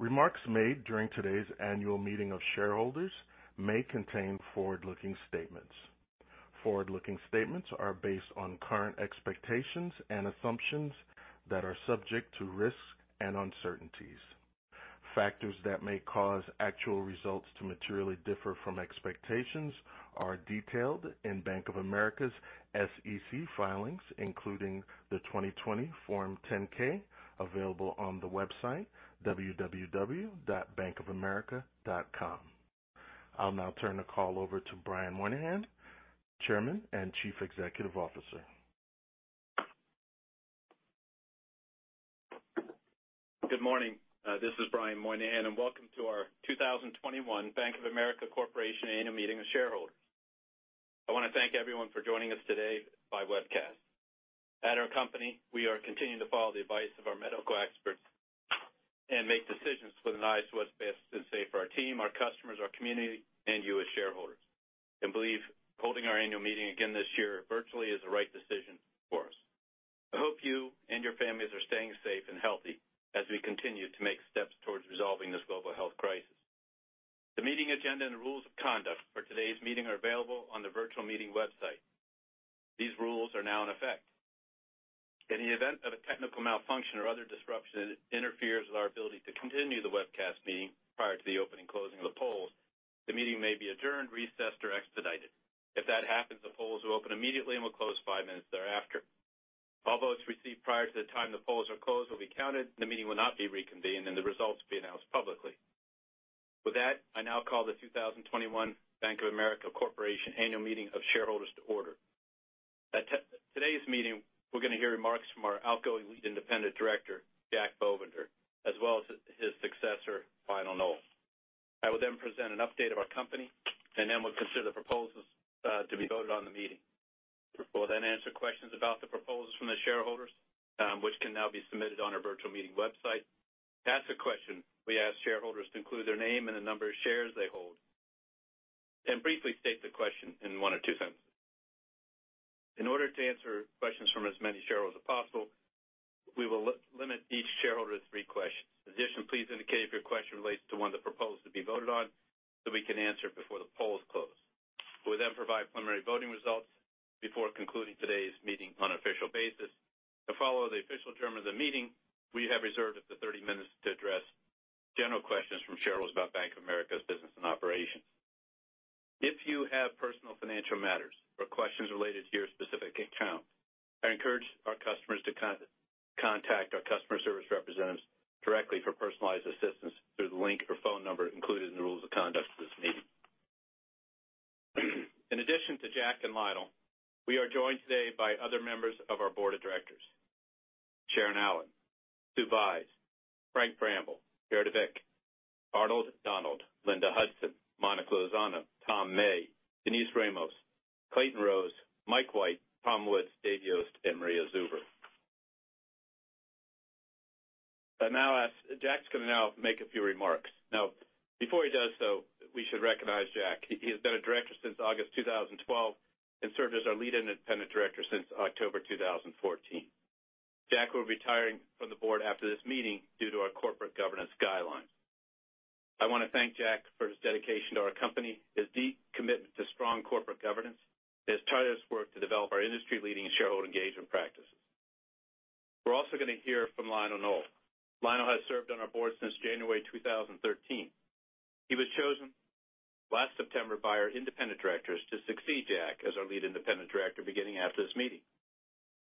Remarks made during today's annual meeting of shareholders may contain forward-looking statements. Forward-looking statements are based on current expectations and assumptions that are subject to risks and uncertainties. Factors that may cause actual results to materially differ from expectations are detailed in Bank of America's SEC filings, including the 2020 Form 10-K, available on the website www.bankofamerica.com. I'll now turn the call over to Brian Moynihan, Chairman and Chief Executive Officer. Good morning. This is Brian Moynihan, and welcome to our 2021 Bank of America Corporation Annual Meeting of Shareholders. I want to thank everyone for joining us today by webcast. At our company, we are continuing to follow the advice of our medical experts and make decisions with an eye to what's best and safe for our team, our customers, our community, and you as shareholders, and believe holding our annual meeting again this year virtually is the right decision for us. I hope you and your families are staying safe and healthy as we continue to make steps towards resolving this global health crisis. The meeting agenda and rules of conduct for today's meeting are available on the virtual meeting website. These rules are now in effect. In the event of a technical malfunction or other disruption that interferes with our ability to continue the webcast meeting prior to the open and closing of the polls, the meeting may be adjourned, recessed, or expedited. If that happens, the polls will open immediately and will close five minutes thereafter. All votes received prior to the time the polls are closed will be counted, and the meeting will not be reconvened, and the results will be announced publicly. With that, I now call the 2021 Bank of America Corporation Annual Meeting of Shareholders to order. At today's meeting, we're going to hear remarks from our outgoing Lead Independent Director, Jack Bovender, as well as his successor, Lionel Nowell. I will then present an update of our company, and then we'll consider the proposals to be voted on in the meeting. We'll then answer questions about the proposals from the shareholders, which can now be submitted on our virtual meeting website. To ask a question, we ask shareholders to include their name and the number of shares they hold and briefly state the question in one or two sentences. In order to answer questions from as many shareholders as possible, we will limit each shareholder to three questions. In addition, please indicate if your question relates to one of the proposals to be voted on, so we can answer it before the polls close. We'll then provide preliminary voting results before concluding today's meeting on an official basis. To follow the official term of the meeting, we have reserved up to 30 minutes to address general questions from shareholders about Bank of America's business and operations. If you have personal financial matters or questions related to your specific account, I encourage our customers to contact our customer service representatives directly for personalized assistance through the link or phone number included in the rules of conduct for this meeting. In addition to Jack and Lionel, we are joined today by other members of our board of directors, Sharon Allen, Sue Bies, Frank Bramble, [Jared Vic], Arnold Donald, Linda Hudson, Monica Lozano, Tom May, Denise Ramos, Clayton Rose, Mike White, Tom Woods, Dave Yost, and Maria Zuber. Jack's going to now make a few remarks. Before he does so, we should recognize Jack. He has been a Director since August 2012 and served as our Lead Independent Director since October 2014. Jack will be retiring from the board after this meeting due to our corporate governance guidelines. I want to thank Jack for his dedication to our company, his deep commitment to strong corporate governance, and his tireless work to develop our industry-leading shareholder engagement practices. We're also going to hear from Lionel Nowell. Lionel has served on our board since January 2013. He was chosen last September by our independent directors to succeed Jack as our Lead Independent Director beginning after this meeting.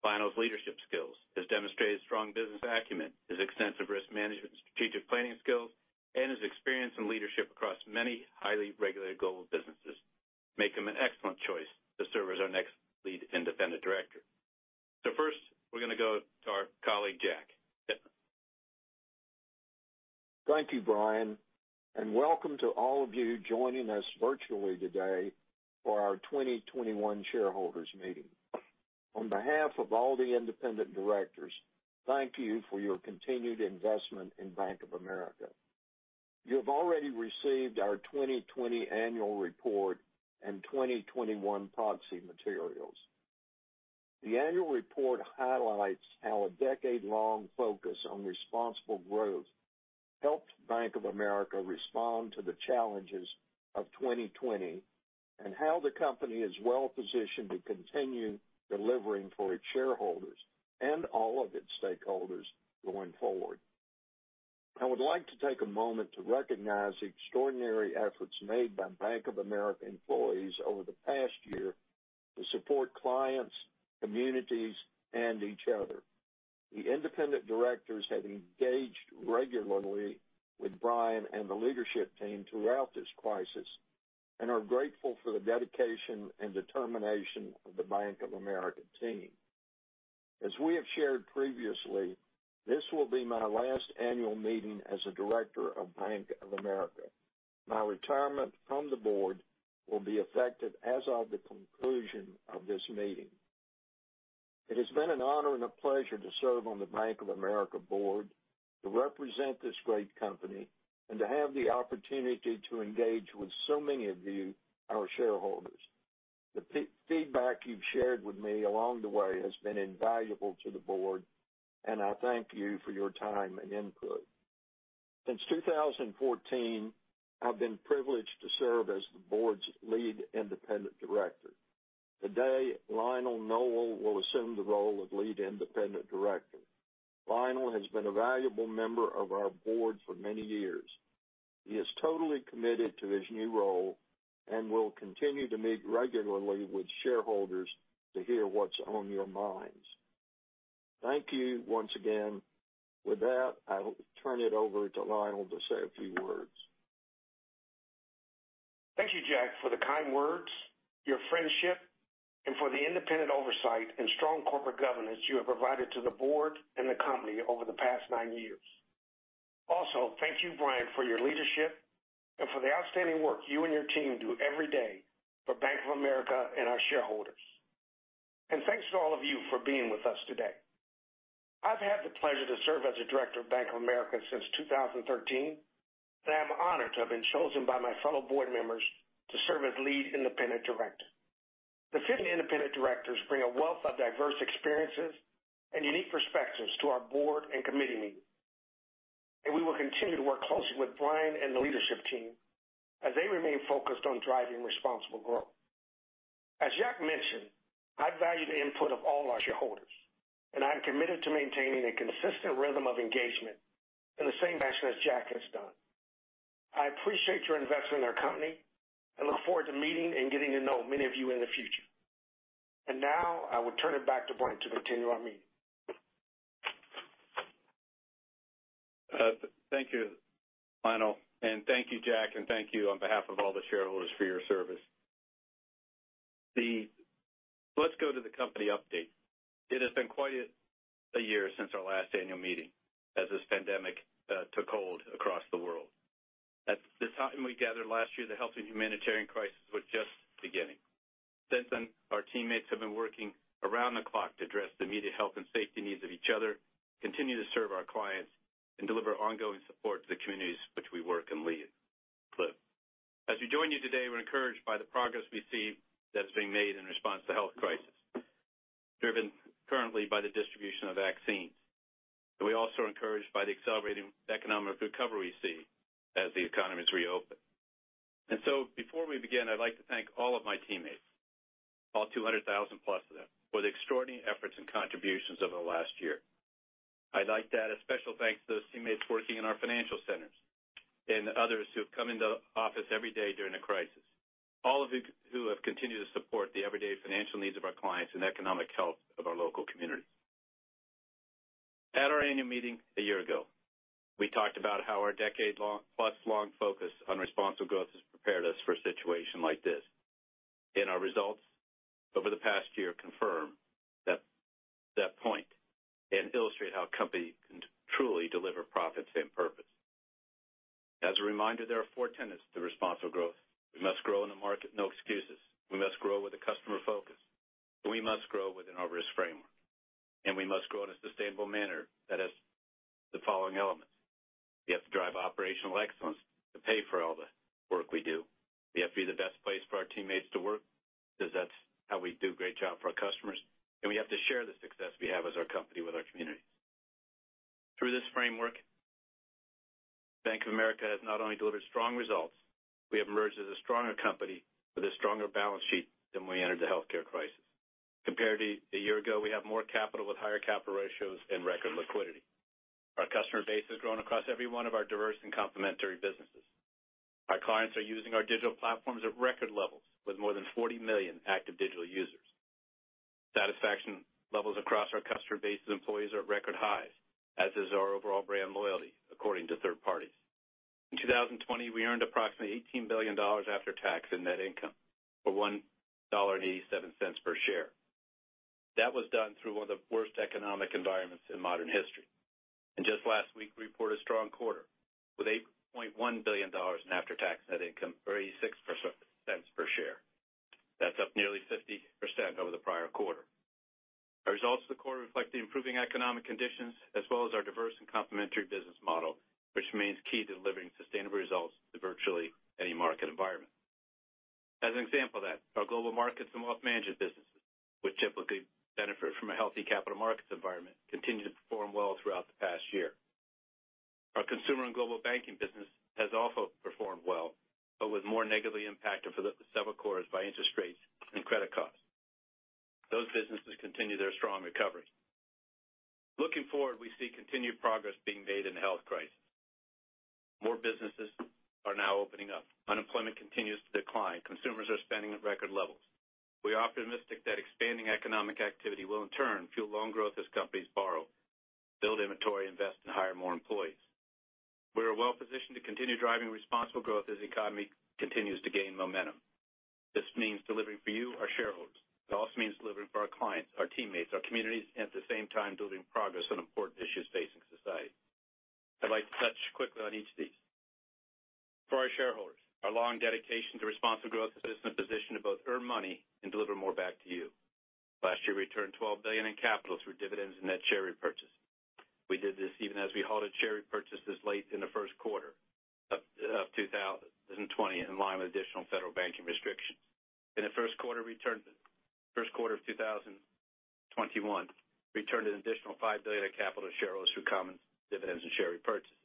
Lionel's leadership skills, his demonstrated strong business acumen, his extensive risk management and strategic planning skills, and his experience in leadership across many highly regulated global businesses make him an excellent choice to serve as our next Lead Independent Director. First, we're going to go to our colleague, Jack. Yep. Thank you, Brian, and welcome to all of you joining us virtually today for our 2021 shareholders meeting. On behalf of all the independent directors, thank you for your continued investment in Bank of America. You've already received our 2020 annual report and 2021 proxy materials. The annual report highlights how a decade-long focus on responsible growth helped Bank of America respond to the challenges of 2020 and how the company is well-positioned to continue delivering for its shareholders and all of its stakeholders going forward. I would like to take a moment to recognize the extraordinary efforts made by Bank of America employees over the past year to support clients, communities, and each other. The independent directors have engaged regularly with Brian and the leadership team throughout this crisis and are grateful for the dedication and determination of the Bank of America team. As we have shared previously, this will be my last annual meeting as a Director of Bank of America. My retirement from the board will be effective as of the conclusion of this meeting. It has been an honor and a pleasure to serve on the Bank of America board, to represent this great company, and to have the opportunity to engage with so many of you, our shareholders. The feedback you've shared with me along the way has been invaluable to the board, and I thank you for your time and input. Since 2014, I've been privileged to serve as the board's lead independent director. Today, Lionel Nowell will assume the role of lead independent director. Lionel has been a valuable member of our board for many years. He is totally committed to his new role and will continue to meet regularly with shareholders to hear what's on your minds. Thank you once again. With that, I will turn it over to Lionel to say a few words. Thank you, Jack, for the kind words, your friendship, and for the independent oversight and strong corporate governance you have provided to the board and the company over the past nine years. Thank you, Brian, for your leadership and for the outstanding work you and your team do every day for Bank of America and our shareholders. Thanks to all of you for being with us today. I've had the pleasure to serve as a director of Bank of America since 2013, and I am honored to have been chosen by my fellow board members to serve as lead independent director. The 15 independent directors bring a wealth of diverse experiences and unique perspectives to our board and committee meetings. We will continue to work closely with Brian and the leadership team as they remain focused on driving Responsible Growth. As Jack mentioned, I value the input of all our shareholders, and I am committed to maintaining a consistent rhythm of engagement in the same fashion as Jack has done. I appreciate your investment in our company and look forward to meeting and getting to know many of you in the future. Now I will turn it back to Brian to continue our meeting. Thank you, Lionel, and thank you, Jack, and thank you on behalf of all the shareholders for your service. Let's go to the company update. It has been quite a year since our last annual meeting, as this pandemic took hold across the world. At the time we gathered last year, the health and humanitarian crisis was just beginning. Since then, our teammates have been working around the clock to address the immediate health and safety needs of each other, continue to serve our clients, and deliver ongoing support to the communities which we work and live. We're also encouraged by the progress we see that's being made in response to health crisis, driven currently by the distribution of vaccines. We're also encouraged by the accelerating economic recovery we see as the economies reopen. Before we begin, I'd like to thank all of my teammates, all 200,000+ of them, for the extraordinary efforts and contributions over the last year. I'd like to add a special thanks to those teammates working in our financial centers and others who have come into the office every day during the crisis. All of you who have continued to support the everyday financial needs of our clients and economic health of our local communities. At our annual meeting a year ago, we talked about how our decade-plus long focus on responsible growth has prepared us for a situation like this, and our results over the past year confirm that point and illustrate how a company can truly deliver profits and purpose. As a reminder, there are four tenets to responsible growth. We must grow in the market, no excuses. We must grow with a customer focus. We must grow within our risk framework. We must grow in a sustainable manner that has the following elements. We have to drive operational excellence to pay for all the work we do. We have to be the best place for our teammates to work because that's how we do great job for our customers. We have to share the success we have as our company with our communities. Through this framework, Bank of America has not only delivered strong results, we have emerged as a stronger company with a stronger balance sheet than we entered the healthcare crisis. Compared to a year ago, we have more capital with higher capital ratios and record liquidity. Our customer base has grown across every one of our diverse and complementary businesses. Our clients are using our digital platforms at record levels with more than 40 million active digital users. Satisfaction levels across our customer base and employees are at record highs, as is our overall brand loyalty, according to third parties. In 2020, we earned approximately $18 billion after-tax in net income, or $1.87 per share. That was done through one of the worst economic environments in modern history. Just last week, we reported a strong quarter with $8.1 billion in after-tax net income, or $0.86 per share. That's up nearly 50% over the prior quarter. Our results for the quarter reflect the improving economic conditions as well as our diverse and complementary business model, which remains key to delivering sustainable results to virtually any market environment. As an example that, our Global Markets and Wealth Management businesses, which typically benefit from a healthy capital markets environment, continued to perform well throughout the past year. Our consumer and global banking business has also performed well, but was more negatively impacted for several quarters by interest rates and credit costs. Those businesses continue their strong recoveries. Looking forward, we see continued progress being made in the health crisis. More businesses are now opening up. Unemployment continues to decline. Consumers are spending at record levels. We are optimistic that expanding economic activity will in turn fuel loan growth as companies borrow, build inventory, invest, and hire more employees. We are well-positioned to continue driving responsible growth as the economy continues to gain momentum. This means delivering for you, our shareholders. It also means delivering for our clients, our teammates, our communities, and at the same time, delivering progress on important issues facing society. I'd like to touch quickly on each of these. For our shareholders, our long dedication to responsible growth has put us in a position to both earn money and deliver more back to you. Last year, we returned $12 billion in capital through dividends and net share repurchase. We did this even as we halted share repurchases late in the first quarter of 2020 in line with additional Federal banking restrictions. In the first quarter of 2021, we returned an additional $5 billion of capital to shareholders through common dividends and share repurchases.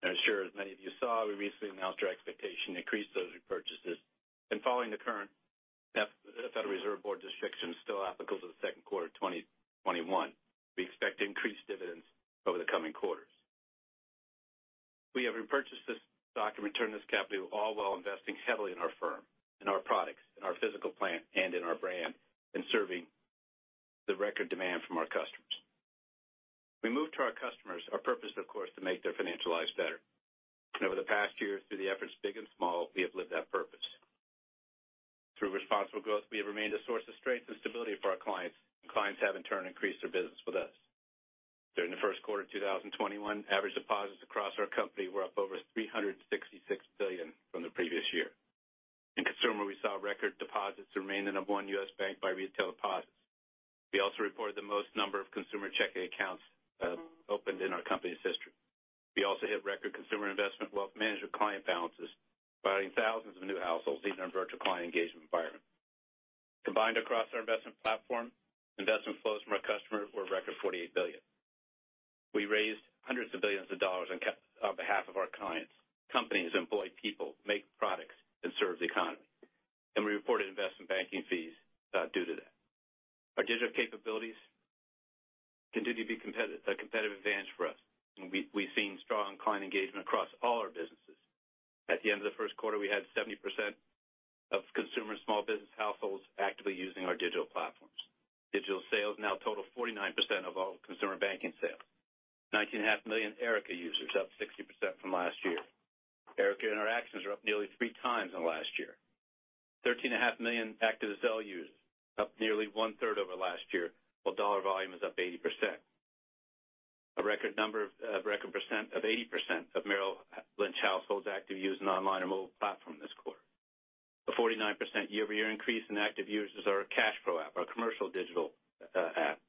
I'm sure as many of you saw, we recently announced our expectation to increase those repurchases. Following the current Federal Reserve Board restrictions still applicable to the second quarter of 2021, we expect increased dividends over the coming quarters. We have repurchased this stock and returned this capital all while investing heavily in our firm, in our products, in our physical plant, and in our brand, and serving the record demand from our customers. We move to our customers, our purpose, of course, to make their financial lives better. Over the past year, through the efforts big and small, we have lived that purpose. Through responsible growth, we have remained a source of strength and stability for our clients, and clients have in turn increased their business with us. During the first quarter of 2021, average deposits across our company were up over $366 billion from the previous year. In consumer, we saw record deposits remain the number one U.S. bank by retail deposits. We also reported the most number of consumer checking accounts opened in our company's history. We also hit record consumer investment wealth management client balances, providing thousands of new households, even in a virtual client engagement environment. Combined across our investment platform, investment flows from our customers were a record $48 billion. We raised hundreds of billions of dollars on behalf of our clients. Companies employ people, make products, and serve the economy. We reported investment banking fees due to that. Our digital capabilities continue to be a competitive advantage for us, and we've seen strong client engagement across all our businesses. At the end of the first quarter, we had 70% of consumer Small Business households actively using our digital platforms. Digital sales now total 49% of all consumer banking sales. 19.5 million Erica users, up 60% from last year. Erica interactions are up nearly 3x in the last year. 13.5 million active Zelle users, up nearly 1/3 over last year, while dollar volume is up 80%. A record percent of 80% of Merrill Lynch households actively use an online or mobile platform this quarter. A 49% year-over-year increase in active users of our CashPro app, our commercial digital app,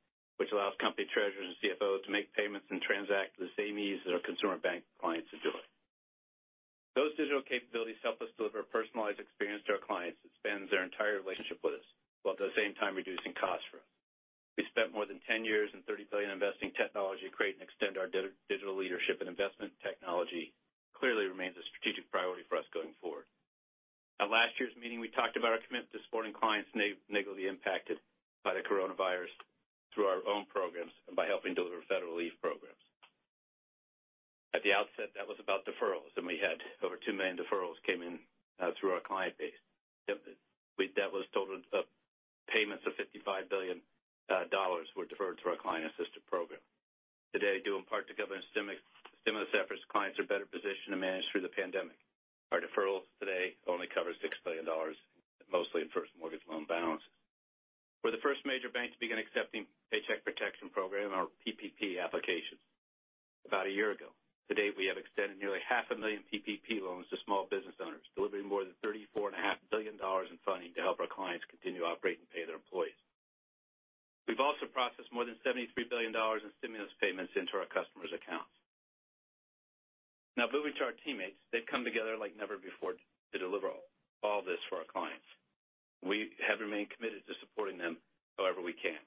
which allows company treasurers and CFOs to make payments and transact with the same ease that our consumer bank clients are doing. Those digital capabilities help us deliver a personalized experience to our clients that spans their entire relationship with us, while at the same time reducing costs for us. We spent more than 10 years and $30 billion investing in technology to create and extend our digital leadership. Investment technology clearly remains a strategic priority for us going forward. At last year's meeting, we talked about our commitment to supporting clients negatively impacted by the coronavirus through our own programs and by helping deliver federal relief programs. At the outset, that was about deferrals. We had over two million deferrals came in through our client base. That was total payments of $55 billion were deferred through our client assistance program. Today, due in part to government stimulus efforts, clients are better positioned to manage through the pandemic. Our deferrals today only cover $6 billion, mostly in first mortgage loan balance. We're the first major bank to begin accepting Paycheck Protection Program, or PPP applications about a year ago. To date, we have extended nearly half a million PPP loans to small business owners, delivering more than $34.5 billion in funding to help our clients continue to operate and pay their employees. We've also processed more than $73 billion in stimulus payments into our customers' accounts. Now moving to our teammates, they've come together like never before to deliver all this for our clients. We have remained committed to supporting them however we can.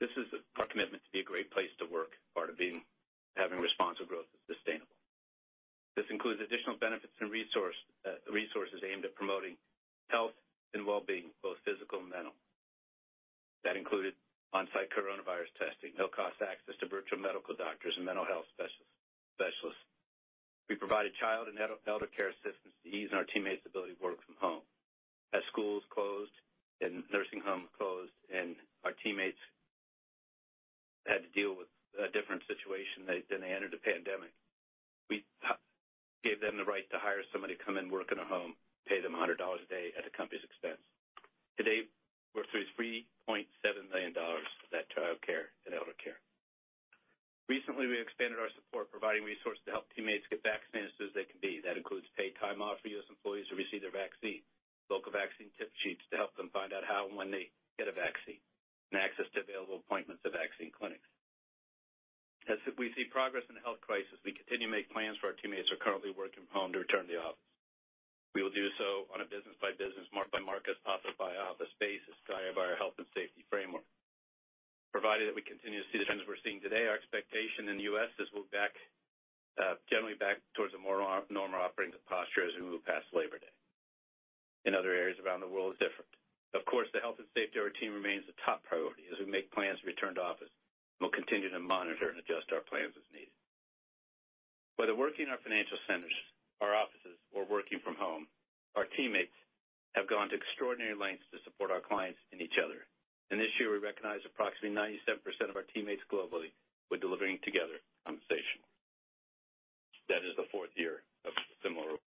This is our commitment to be a great place to work, part of having responsible growth that's sustainable. This includes additional benefits and resources aimed at promoting health and wellbeing, both physical and mental. That included on-site coronavirus testing, no-cost access to virtual medical doctors, and mental health specialists. We provided child and elder care assistance to ease our teammates' ability to work from home. As schools closed, and nursing homes closed, and our teammates had to deal with a different situation than they entered the pandemic, we gave them the right to hire somebody to come and work in a home, globally were Delivering Together on the mission. That is the fourth year of [similar of the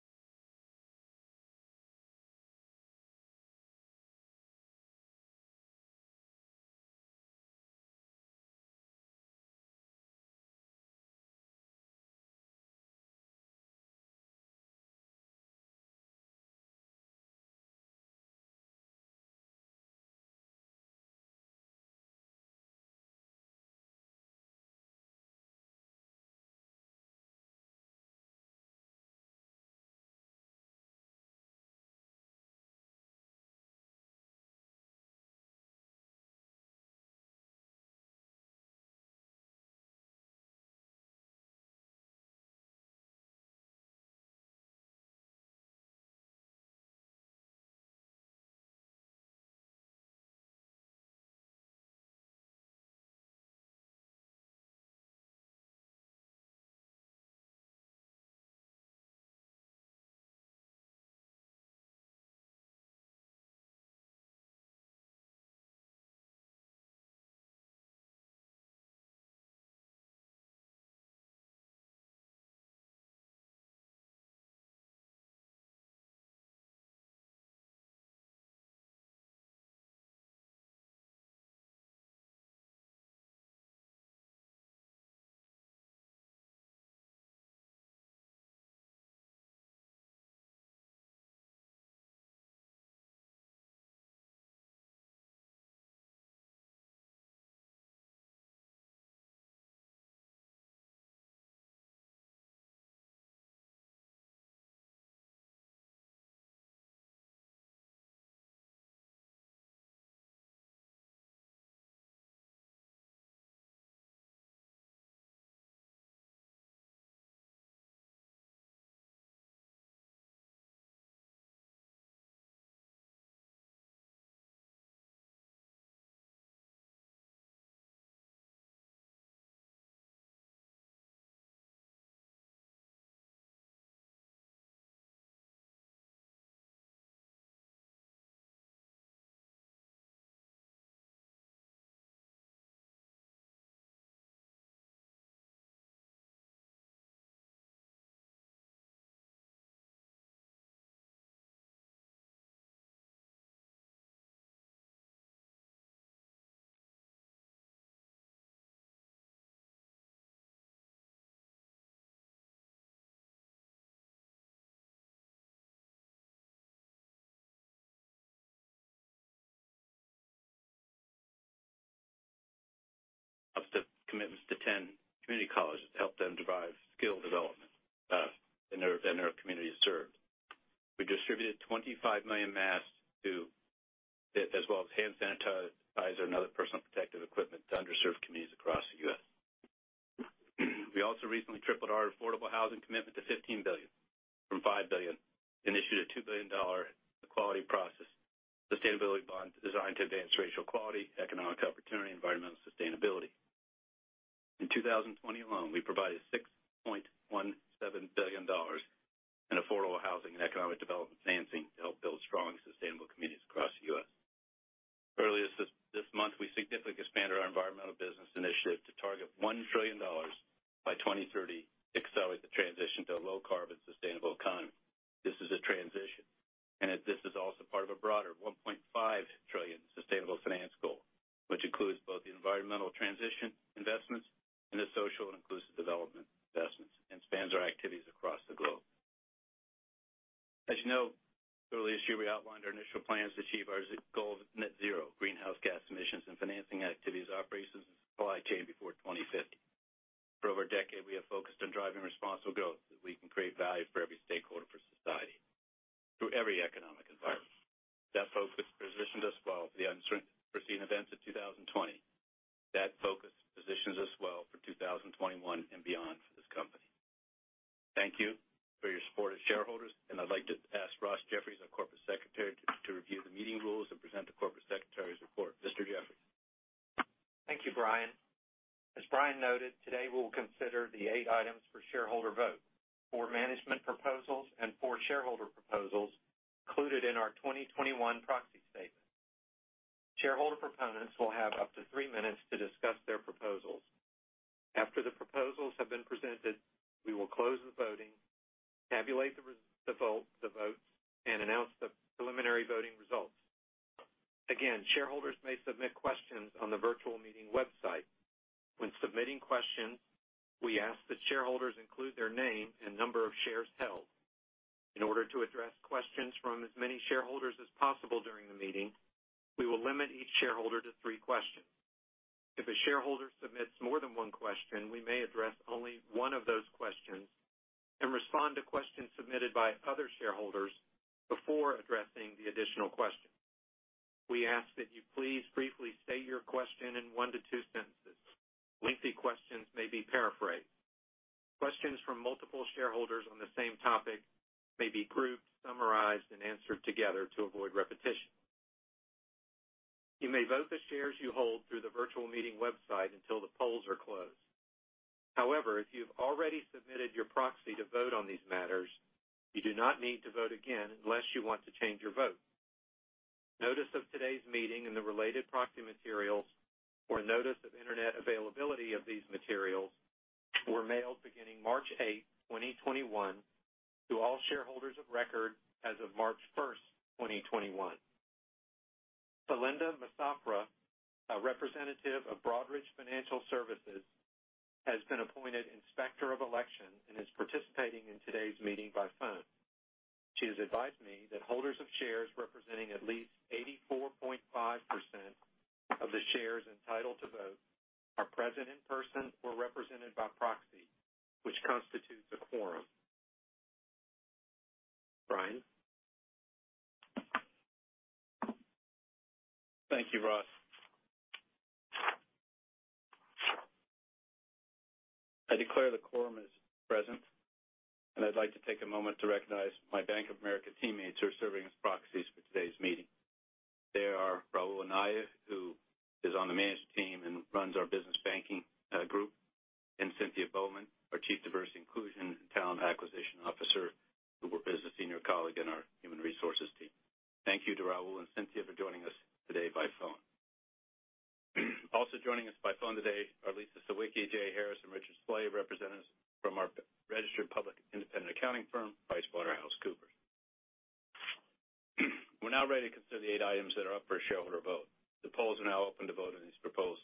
commitments] to 10 community colleges to help them derive skill development in their communities served. We distributed 25 million masks, as well as hand sanitizers and other personal protective equipment to underserved communities across the U.S. We also recently tripled our affordable housing commitment to $15 billion from $5 billion, and issued a $2 billion Equality Progress Sustainability Bond designed to advance racial equality, economic opportunity, and environmental sustainability. In 2020 alone, we provided $6.17 billion in affordable housing and economic development financing to help build strong, sustainable communities across the U.S. Early this month, we significantly expanded our environmental business initiative to target $1 trillion by 2030 to accelerate the transition to a low-carbon, sustainable economy. This is a transition. This is also part of a broader $1.5 trillion sustainable finance goal, which includes both the environmental transition investments and the social and inclusive development investments, and spans our activities across the globe. As you know, early this year, we outlined our initial plans to achieve our goal of net zero greenhouse gas emissions in financing activities, operations, and supply chain before 2050. For over a decade, we have focused on driving responsible growth so that we can create value for every stakeholder for society through every economic environment. That focus positioned us well for the unforeseen events of 2020. That focus positions us well for 2021 and beyond for this company. Thank you for your support as shareholders. I'd like to ask Ross Jeffries, our Corporate Secretary, to review the meeting rules and present the Corporate Secretary's report. Mr. Jeffries. Thank you, Brian. As Brian noted, today we will consider the eight items for shareholder vote. Four management proposals and four shareholder proposals included in our 2021 proxy statement. Shareholder proponents will have up to three minutes to discuss their proposals. After the proposals have been presented, we will close the voting, tabulate the votes, and announce the preliminary voting results. Again, shareholders may submit questions on the virtual meeting website. When submitting questions, we ask that shareholders include their name and number of shares held. In order to address questions from as many shareholders as possible during the meeting, we will limit each shareholder to three questions. If a shareholder submits more than one question, we may address only one of those questions and respond to questions submitted by other shareholders before addressing the additional question. We ask that you please briefly state your question in one to two sentences. Lengthy questions may be paraphrased. Questions from multiple shareholders on the same topic may be grouped, summarized, and answered together to avoid repetition. You may vote the shares you hold through the virtual meeting website until the polls are closed. If you've already submitted your proxy to vote on these matters, you do not need to vote again unless you want to change your vote. Notice of today's meeting and the related proxy materials or notice of internet availability of these materials were mailed beginning March 8, 2021, to all shareholders of record as of March 1st, 2021. Belinda Massafra, a representative of Broadridge Financial Solutions has been appointed Inspector of Election and is participating in today's meeting by phone. She has advised me that holders of shares representing at least 84.5% of the shares entitled to vote are present in person or represented by proxy, which constitutes a quorum. Brian? Thank you, Ross. I declare the quorum is present, and I'd like to take a moment to recognize my Bank of America teammates who are serving as proxies for today's meeting. They are Raul Anaya, who is on the management team and runs our business banking group, and Cynthia Bowman, our Chief Diversity and Inclusion and Talent Acquisition Officer, who is a senior colleague in our human resources team. Thank you to Raul and Cynthia for joining us today by phone. Also joining us by phone today are Lisa Sawicki, Jay Harris, and Richard Slay, representatives from our registered public independent accounting firm, PricewaterhouseCoopers. We're now ready to consider the eight items that are up for shareholder vote. The polls are now open to vote on these proposals.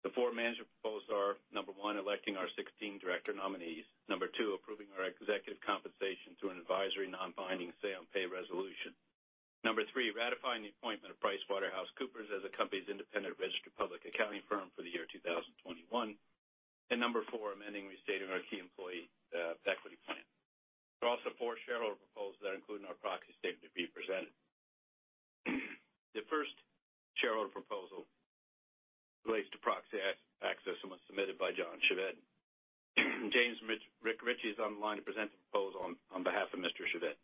The four management proposals are, number one, electing our 16 director nominees. Number two, approving our executive compensation through an advisory non-binding say on pay resolution. Number three, ratifying the appointment of PricewaterhouseCoopers as the company's independent registered public accounting firm for the year 2021. Number four, amending and restating our key employee equity plan. There are also four shareholder proposals that include in our proxy statement to be presented. The first shareholder proposal relates to proxy access and was submitted by John Chevedden. James McRitchie is on the line to present the proposal on behalf of Mr. Chevedden.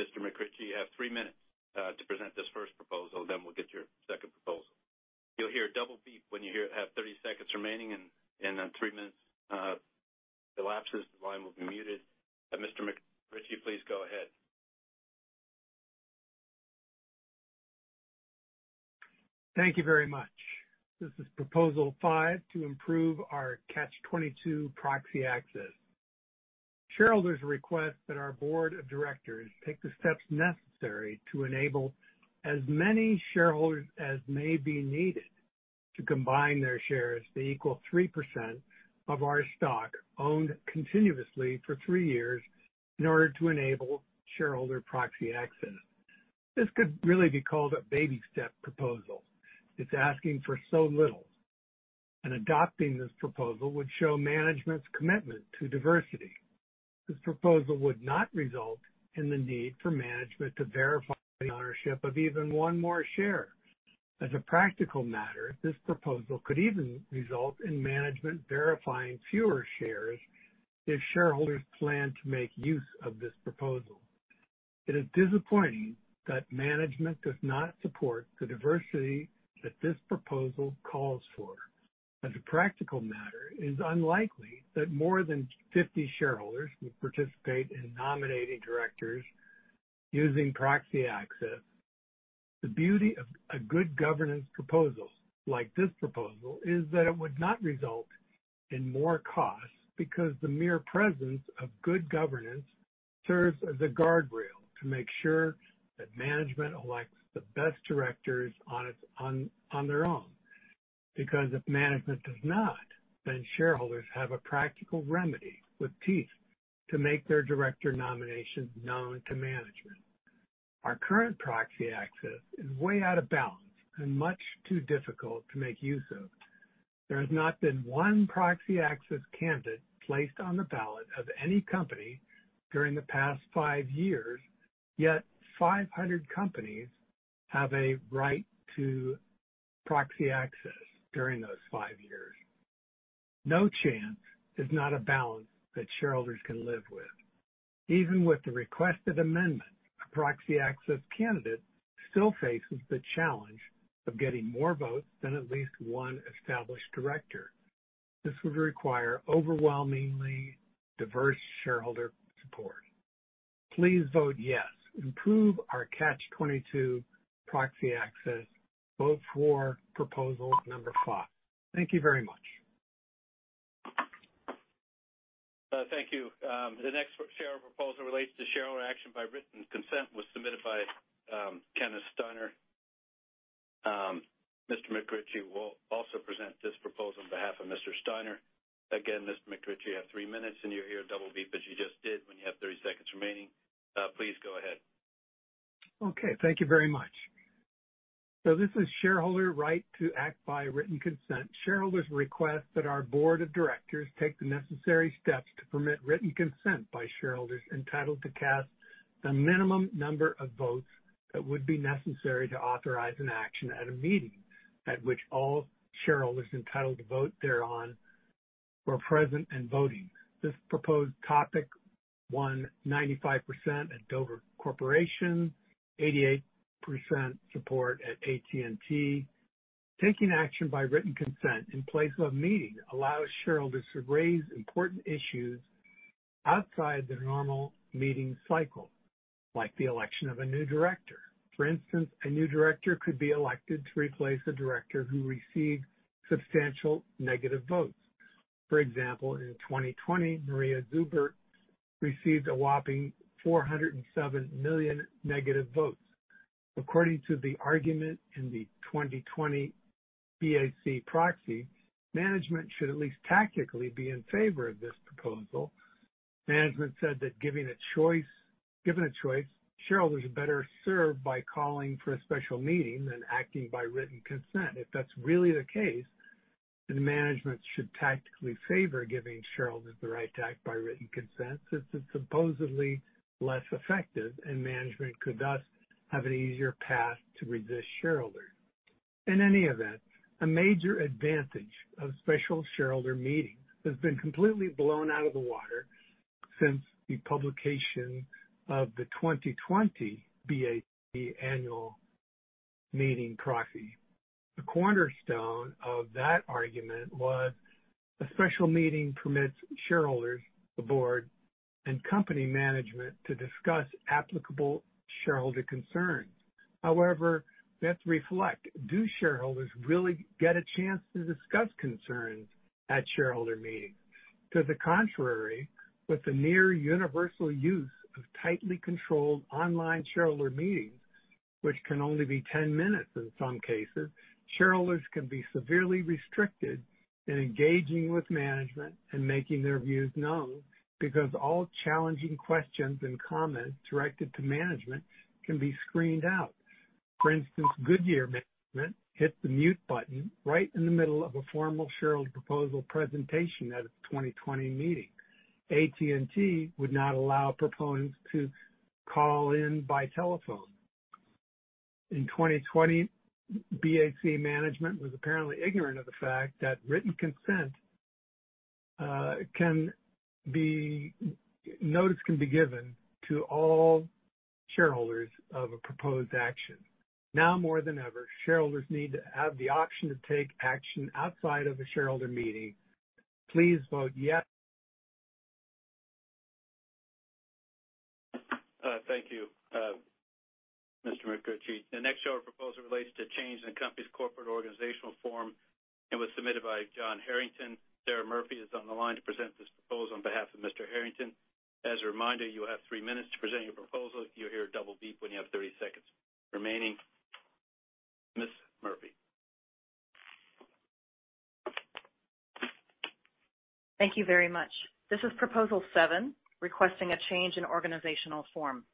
Mr. McRitchie, you have three minutes to present this first proposal, then we'll get your second proposal. You'll hear a double beep when you have 30 seconds remaining, and when three minutes elapses, the line will be muted. Mr. McRitchie, please go ahead. Thank you very much. This is Proposal five to improve our Catch-22 proxy access. Shareholders request that our Board of Directors take the steps necessary to enable as many shareholders as may be needed to combine their shares to equal 3% of our stock owned continuously for three years in order to enable shareholder proxy access. This could really be called a baby step proposal. It's asking for so little. Adopting this proposal would show management's commitment to diversity. This proposal would not result in the need for management to verify the ownership of even one more share. As a practical matter, this proposal could even result in management verifying fewer shares if shareholders plan to make use of this proposal. It is disappointing that management does not support the diversity that this proposal calls for. As a practical matter, it is unlikely that more than 50 shareholders would participate in nominating directors using proxy access. The beauty of a good governance proposal like this proposal is that it would not result in more costs because the mere presence of good governance serves as a guardrail to make sure that management elects the best directors on their own. Because if management does not, then shareholders have a practical remedy with teeth to make their director nominations known to management. Our current proxy access is way out of balance and much too difficult to make use of. There has not been one proxy access candidate placed on the ballot of any company during the past five years, yet 500 companies have a right to proxy access during those five years. No chance is not a balance that shareholders can live with. Even with the requested amendment, a proxy access candidate still faces the challenge of getting more votes than at least one established director. This would require overwhelmingly diverse shareholder support. Please vote yes. Improve our Catch-22 proxy access. Vote for proposal number five. Thank you very much. Thank you. The next shareholder proposal relates to shareholder action by written consent was submitted by Kenneth Steiner. Mr. McRitchie will also present this proposal on behalf of Mr. Steiner. Mr. McRitchie, you have three minutes, and you'll hear a double beep, as you just did, when you have 30 seconds remaining. Please go ahead. Thank you very much. This is shareholder right to act by written consent. Shareholders request that our board of directors take the necessary steps to permit written consent by shareholders entitled to cast the minimum number of votes that would be necessary to authorize an action at a meeting at which all shareholders entitled to vote thereon were present and voting. This proposed Topic one, 95% at Dover Corporation, 88% support at AT&T. Taking action by written consent in place of a meeting allows shareholders to raise important issues outside the normal meeting cycle, like the election of a new director. For instance, a new director could be elected to replace a director who received substantial negative votes. For example, in 2020, Maria Zuber received a whopping 407 million negative votes. According to the argument in the 2020 BAC proxy, management should at least tactically be in favor of this proposal. Management said that given a choice, shareholders are better served by calling for a special meeting than acting by written consent. If that's really the case, management should tactically favor giving shareholders the right to act by written consent, since it's supposedly less effective, and management could thus have an easier path to resist shareholders. In any event, a major advantage of special shareholder meetings has been completely blown out of the water since the publication of the 2020 BAC annual meeting proxy. The cornerstone of that argument was a special meeting permits shareholders, the board, and company management to discuss applicable shareholder concerns. However, let's reflect. Do shareholders really get a chance to discuss concerns at shareholder meetings? To the contrary, with the near universal use of tightly controlled online shareholder meetings, which can only be 10 minutes in some cases, shareholders can be severely restricted in engaging with management and making their views known because all challenging questions and comments directed to management can be screened out. For instance, Goodyear management hit the mute button right in the middle of a formal shareholder proposal presentation at its 2020 meeting. AT&T would not allow proponents to call in by telephone. In 2020, BAC management was apparently ignorant of the fact that written consent notice can be given to all shareholders of a proposed action. Now more than ever, shareholders need to have the option to take action outside of a shareholder meeting. Please vote yes. Thank you, Mr. McRitchie. The next shareholder proposal relates to change in the company's corporate organizational form and was submitted by John Harrington. Sarah Murphy is on the line to present this proposal on behalf of Mr. Harrington. As a reminder, you will have three minutes to present your proposal. You'll hear a double beep when you have 30 seconds remaining. Ms. Murphy. Thank you very much. This is proposal seven, requesting a change in organizational form.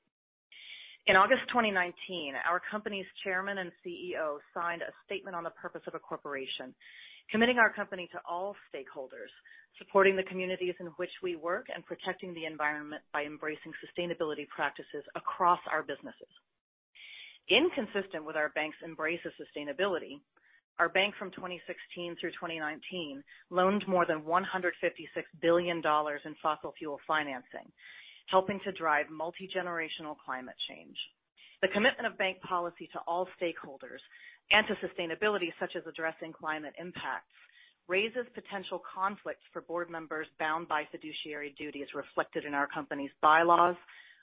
In August 2019, our company's Chairman and CEO signed a statement on the purpose of a corporation, committing our company to all stakeholders, supporting the communities in which we work, and protecting the environment by embracing sustainability practices across our businesses. Inconsistent with our bank's embrace of sustainability, our bank from 2016 through 2019 loaned more than $156 billion in fossil fuel financing, helping to drive multi-generational climate change. The commitment of bank policy to all stakeholders and to sustainability, such as addressing climate impacts, raises potential conflicts for board members bound by fiduciary duties reflected in our company's bylaws,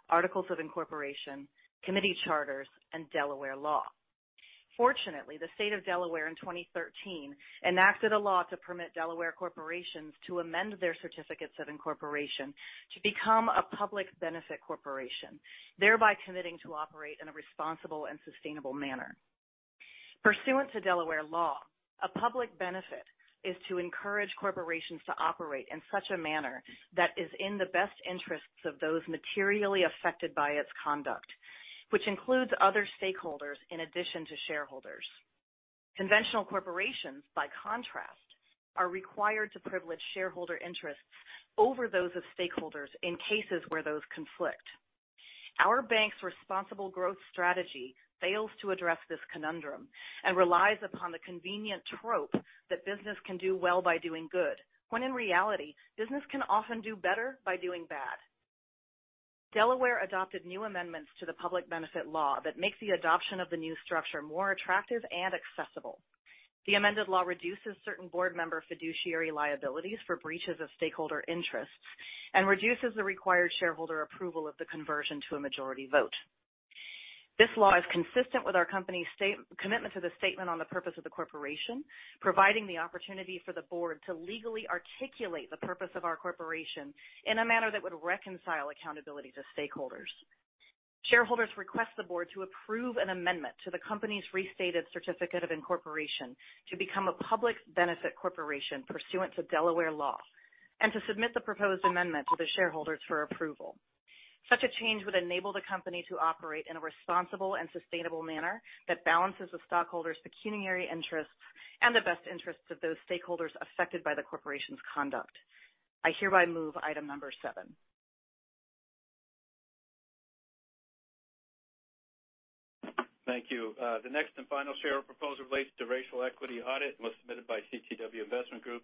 articles of incorporation, committee charters, and Delaware law. Fortunately, the state of Delaware in 2013 enacted a law to permit Delaware corporations to amend their certificates of incorporation to become a public benefit corporation, thereby committing to operate in a responsible and sustainable manner. Pursuant to Delaware law, a public benefit is to encourage corporations to operate in such a manner that is in the best interests of those materially affected by its conduct, which includes other stakeholders in addition to shareholders. Conventional corporations, by contrast, are required to privilege shareholder interests over those of stakeholders in cases where those conflict. Our bank's responsible growth strategy fails to address this conundrum and relies upon the convenient trope that business can do well by doing good, when in reality, business can often do better by doing bad. Delaware adopted new amendments to the public benefit law that makes the adoption of the new structure more attractive and accessible. The amended law reduces certain board member fiduciary liabilities for breaches of stakeholder interests and reduces the required shareholder approval of the conversion to a majority vote. This law is consistent with our company's commitment to the statement on the purpose of the corporation, providing the opportunity for the board to legally articulate the purpose of our corporation in a manner that would reconcile accountability to stakeholders. Shareholders request the board to approve an amendment to the company's restated certificate of incorporation to become a public benefit corporation pursuant to Delaware law, and to submit the proposed amendment to the shareholders for approval. Such a change would enable the company to operate in a responsible and sustainable manner that balances the stockholders' pecuniary interests and the best interests of those stakeholders affected by the corporation's conduct. I hereby move item number seven. Thank you. The next and final shareholder proposal relates to racial equity audit and was submitted by SOC Investment Group.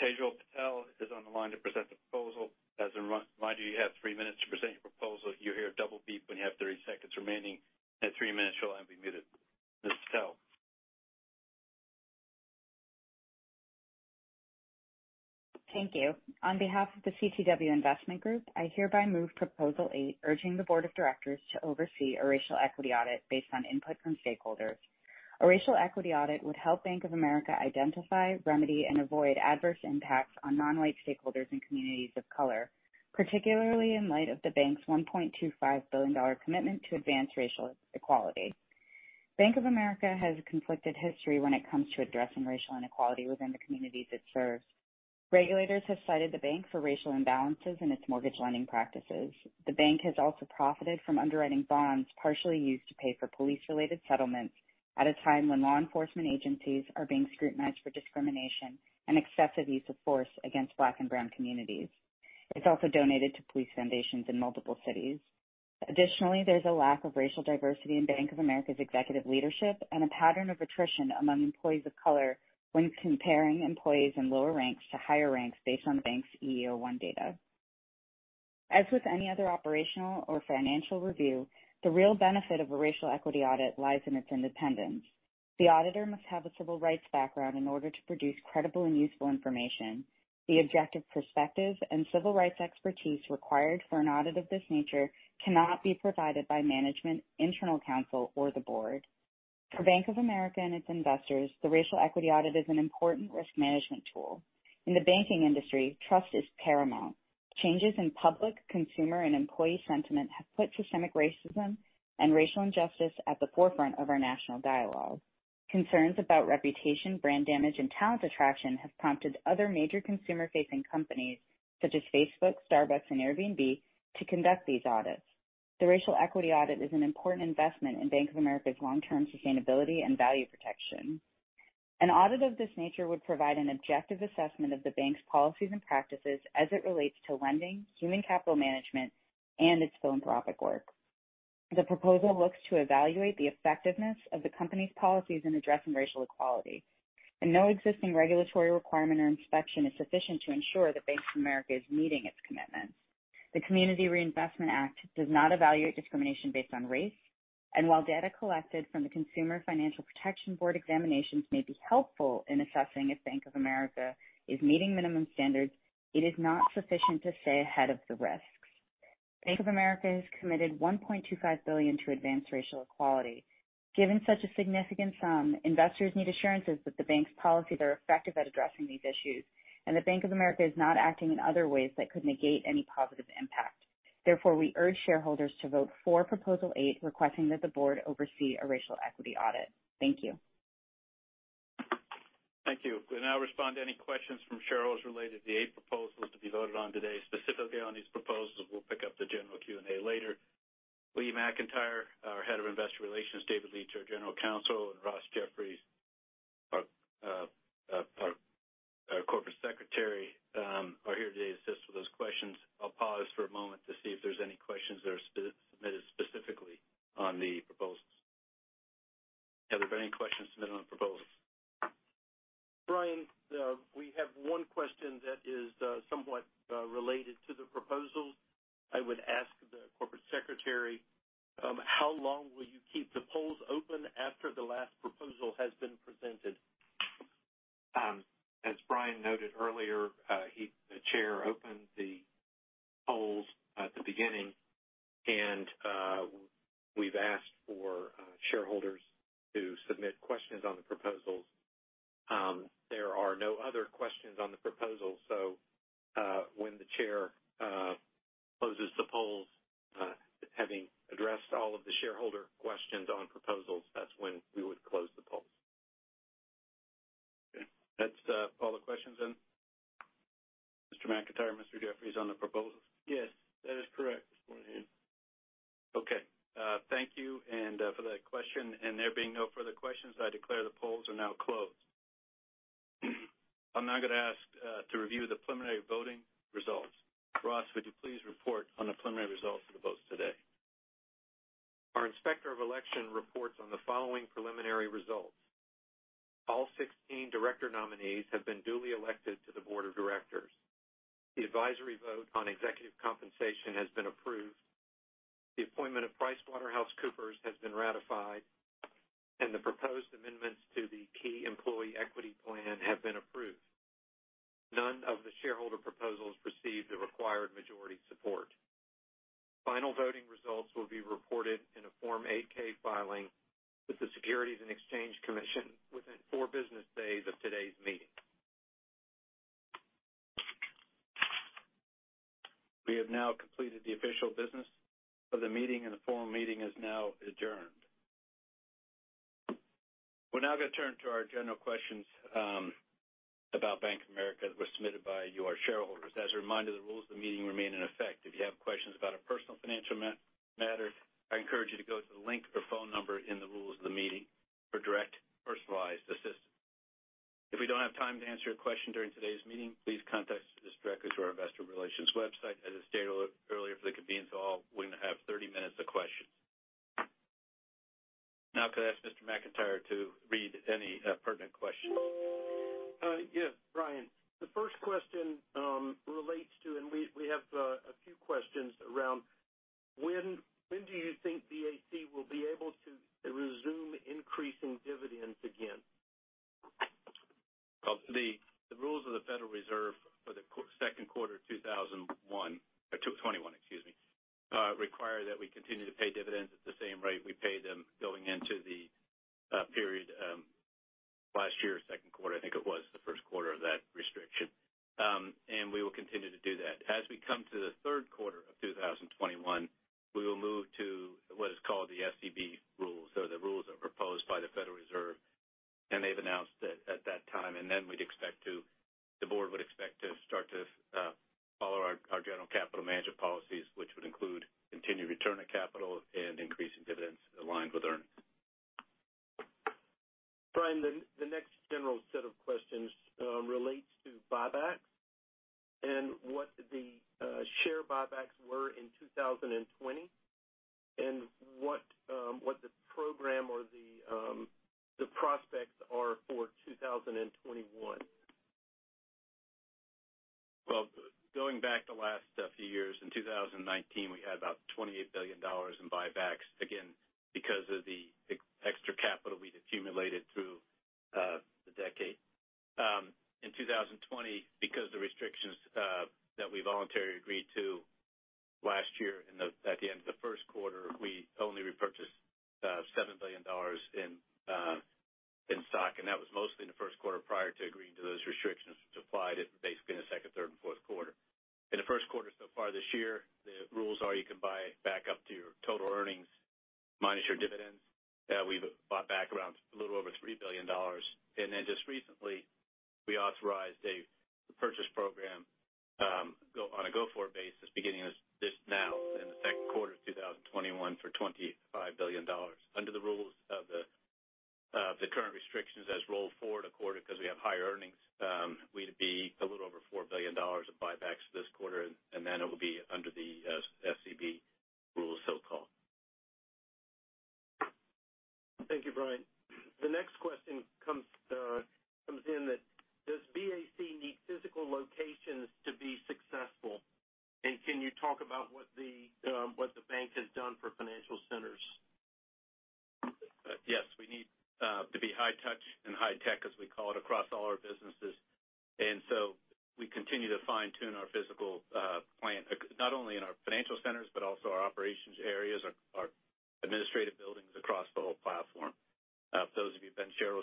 Tejal Patel is on the line to present the proposal. As a reminder, you have three minutes to present your proposal. You'll hear a double beep when you have 30 seconds remaining. At three minutes, you'll then be muted. Ms. Patel. Thank you. On behalf of the SOC Investment Group, I hereby move Proposal eight, urging the board of directors to oversee a racial equity audit based on input from stakeholders A racial equity audit would help Bank of America identify, remedy, and avoid adverse impacts on non-white stakeholders in communities of color, particularly in light of the bank's $1.25 billion commitment to advance racial equality. Bank of America has a conflicted history when it comes to addressing racial inequality within the communities it serves. Regulators have cited the bank for racial imbalances in its mortgage lending practices. The bank has also profited from underwriting bonds partially used to pay for police-related settlements at a time when law enforcement agencies are being scrutinized for discrimination and excessive use of force against Black and brown communities. It's also donated to police foundations in multiple cities. Additionally, there's a lack of racial diversity in Bank of America's executive leadership and a pattern of attrition among employees of color when comparing employees in lower ranks to higher ranks based on the bank's EEO-1 data. As with any other operational or financial review, the real benefit of a racial equity audit lies in its independence. The auditor must have a civil rights background in order to produce credible and useful information. The objective perspective and civil rights expertise required for an audit of this nature cannot be provided by management, internal counsel, or the board. For Bank of America and its investors, the racial equity audit is an important risk management tool. In the banking industry, trust is paramount. Changes in public, consumer, and employee sentiment have put systemic racism and racial injustice at the forefront of our national dialogue. Concerns about reputation, brand damage, and talent attraction have prompted other major consumer-facing companies, such as Facebook, Starbucks, and Airbnb, to conduct these audits. The racial equity audit is an important investment in Bank of America's long-term sustainability and value protection. An audit of this nature would provide an objective assessment of the bank's policies and practices as it relates to lending, human capital management, and its philanthropic work. The proposal looks to evaluate the effectiveness of the company's policies in addressing racial equality, and no existing regulatory requirement or inspection is sufficient to ensure that Bank of America is meeting its commitments. The Community Reinvestment Act does not evaluate discrimination based on race, and while data collected from the Consumer Financial Protection Bureau examinations may be helpful in assessing if Bank of America is meeting minimum standards, it is not sufficient to stay ahead of the risks. Bank of America has committed $1.25 billion to advance racial equality. Given such a significant sum, investors need assurances that the bank's policies are effective at addressing these issues and that Bank of America is not acting in other ways that could negate any positive impact. Therefore, we urge shareholders to vote for Proposal eight, requesting that the board oversee a racial equity audit. Thank you. Thank you. We'll now respond to any questions from shareholders related to the eight proposals to be voted on today, specifically on these proposals. We'll pick up the general Q&A later. Lee McEntire, our Head of Investor Relations, David Leitch, our General Counsel, and Ross Jeffries, our Corporate Secretary, are here today to assist with those questions. I'll pause for a moment to see if there's any questions that are submitted specifically on the proposals. Have there been any questions submitted on the proposals? Brian, we have one question that is somewhat related to the proposals. I would ask the Corporate Secretary, how long will you keep the polls open after the last proposal has been presented? As Brian noted earlier, the chair opened the polls at the beginning, and we've asked for shareholders to submit questions on the proposals. There are no other questions on the proposals. When the chair closes the polls, having addressed all of the shareholder questions on proposals, that's when we would close the polls. Okay. That's all the questions in, Mr. McEntire, Mr. Jeffries, on the proposals? Yes, that is correct. Yes. Okay. Thank you for that question. There being no further questions, I declare the polls are now closed. I'm now going to ask to review the preliminary voting results. Ross, would you please report on the preliminary results of the votes today? Our Inspector of Election reports on the following preliminary results. All 16 director nominees have been duly elected to the board of directors. The advisory vote on executive compensation has been approved. The appointment of PricewaterhouseCoopers has been ratified, and the proposed amendments to the key employee equity plan have been approved. None of the shareholder proposals received the required majority support. Final voting results will be reported in a Form 8-K filing with the Securities and Exchange Commission within four business days of today's meeting. We have now completed the official business of the meeting, and the forum meeting is now adjourned. We're now going to turn to our general questions about Bank of America that were submitted by you, our shareholders. As a reminder, the rules of the meeting remain in effect. If you have questions about a personal financial matter, I encourage you to go to the link or phone number in the rules of the meeting for direct, personalized assistance. If we don't have time to answer a question during today's meeting, please contact us directly through our investor relations website. As I stated earlier for the convenience of all, we have 30 minutes of questions. Now, could I ask Mr. McEntire to read any pertinent questions? Yeah. Brian, the first question relates to, and we have a few questions around, when do you think in the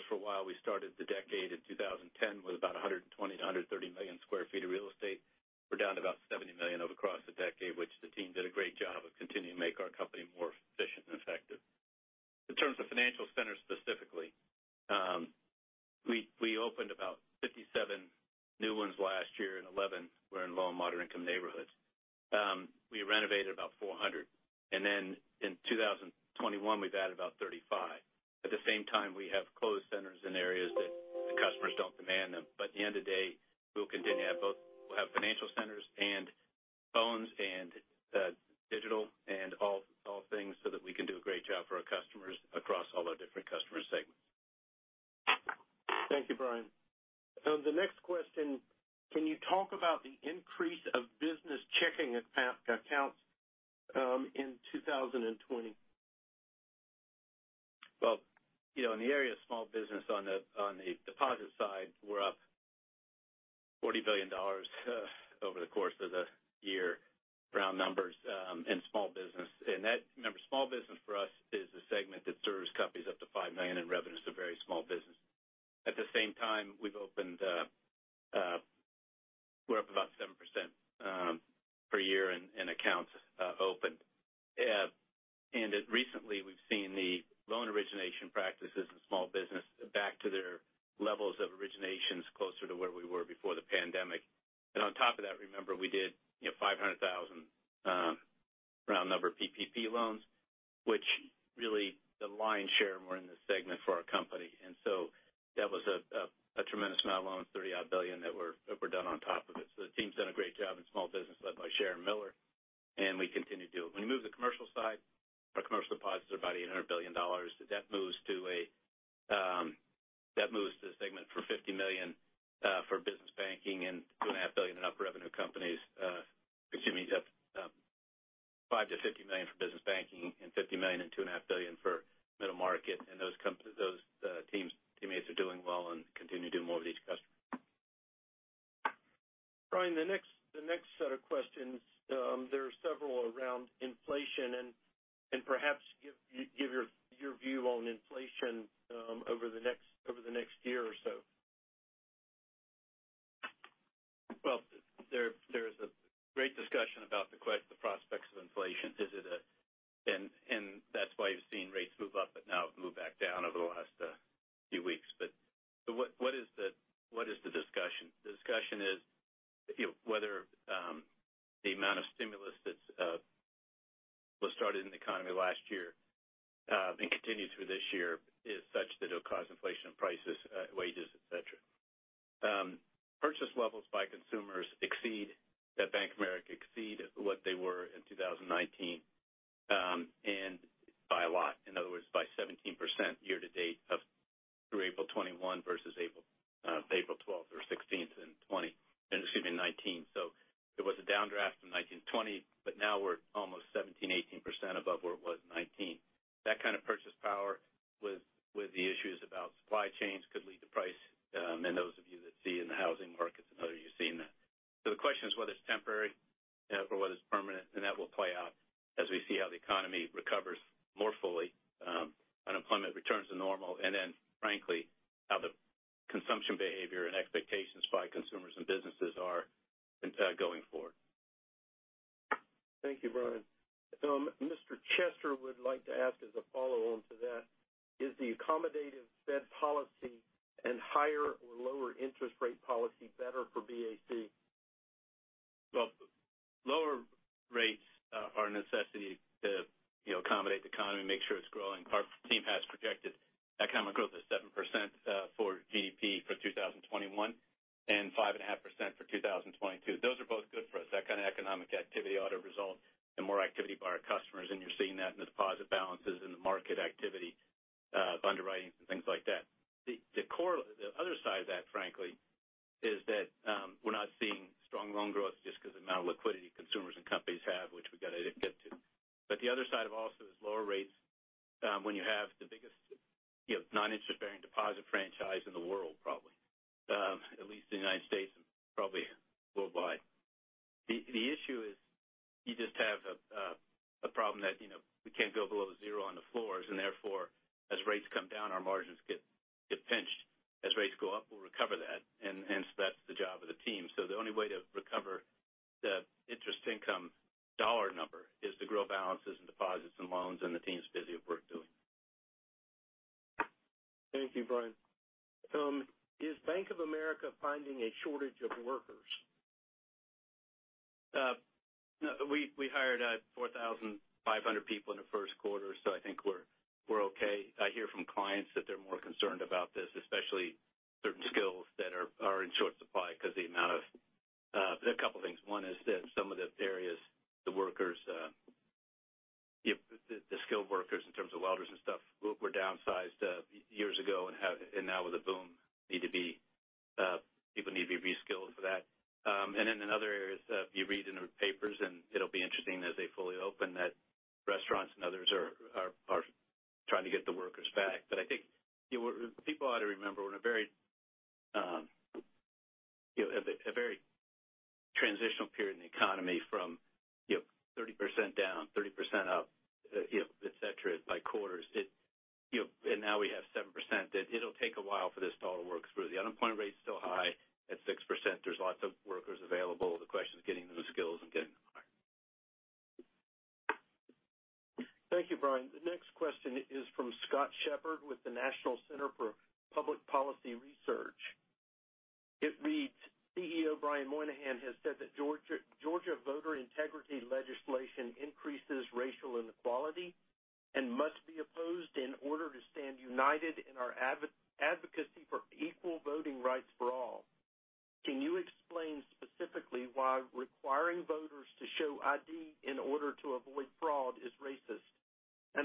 buildings across the whole platform. For those of you who've been shareholders for a while, we started the decade in 2010 with about 120 million sq ft-130 million sq ft of real estate. set of questions, there are several around inflation. Perhaps give your view on inflation over the next year or so. Well, there is a great discussion about the prospects of inflation. That's why you've seen rates move up, but now move back down over the last few weeks. What is the discussion? The discussion is whether the amount of stimulus that was started in the economy last year, and continues through this year, is such that it'll cause inflation in prices, wages, et cetera. Purchase levels by consumers at Bank of America exceed what they were in 2019, and by a lot. In other words, by 17% year to date through April 2021 versus April 12 or 16 in 2019. There was a downdraft in 1920, but now we're almost 17%, 18% above where it was in 2019. That kind of purchase power with the issues about supply chains could lead to price. Those of you that see in the housing markets and other, you've seen that. The question is whether it's temporary or whether it's permanent, and that will play out as we see how the economy recovers more fully, unemployment returns to normal, and then frankly, how the consumption behavior and expectations by consumers and businesses are going forward. Thank you, Brian. Mr. Chester would like to ask as a follow-on to that, "Is the accommodative Fed policy and higher or lower interest rate policy better for BAC? Well, lower rates are a necessity to accommodate the economy, make sure it's growing. Our team has projected economic growth of 7%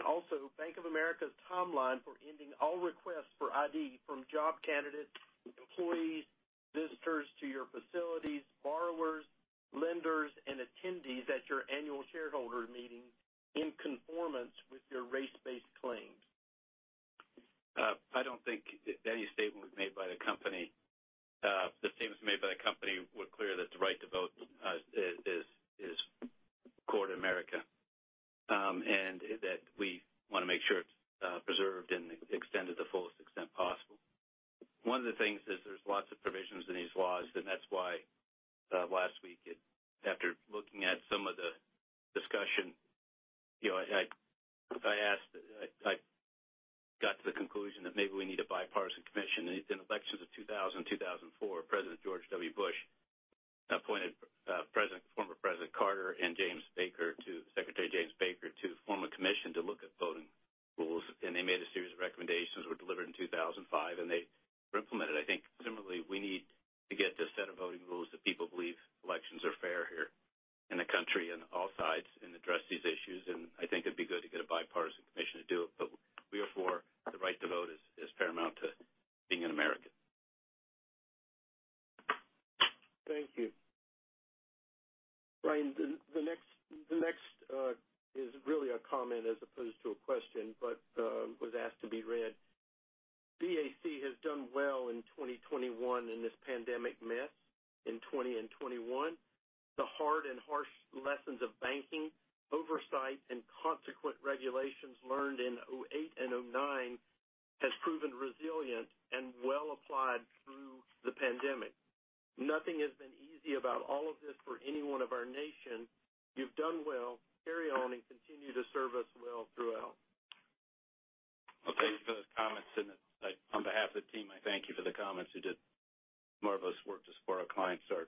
Also, Bank of America's timeline for ending all requests for ID from job candidates, employees, visitors to your facilities, borrowers, lenders, and attendees at your annual shareholder meeting in conformance with your race-based claims. I don't think any statement was made by the company. The statements made by the company were clear that the right to vote is core to America. That we want to make sure it's preserved and extended to the fullest extent possible. One of the things is there's lots of provisions in these laws, and that's why last week, after looking at some of the discussion, I got to the conclusion that maybe we need a bipartisan commission. In elections of 2000, 2004, President George W. Bush appointed former President Carter and Secretary James Baker, to form a commission to look at voting rules. They made a series of recommendations, were delivered in 2005, and they were implemented. I think similarly, we need to get the set of voting rules that people believe elections are fair here in the country and all sides and address these issues. I think it'd be good to get a bipartisan commission to do it. We are for the right to vote is paramount to being an American. Thank you. Brian, the next is really a comment as opposed to a question, but was asked to be read. "BAC has done well in 2021 in this pandemic mess in 2020 and 2021. The hard and harsh lessons of banking, oversight, and consequent regulations learned in 2008 and 2009 has proven resilient and well applied through the pandemic. Nothing has been easy about all of this for anyone of our nation. You've done well. Carry on and continue to serve us well throughout. Well, thank you for those comments. On behalf of the team, I thank you for the comments. We did marvelous work to support our clients, our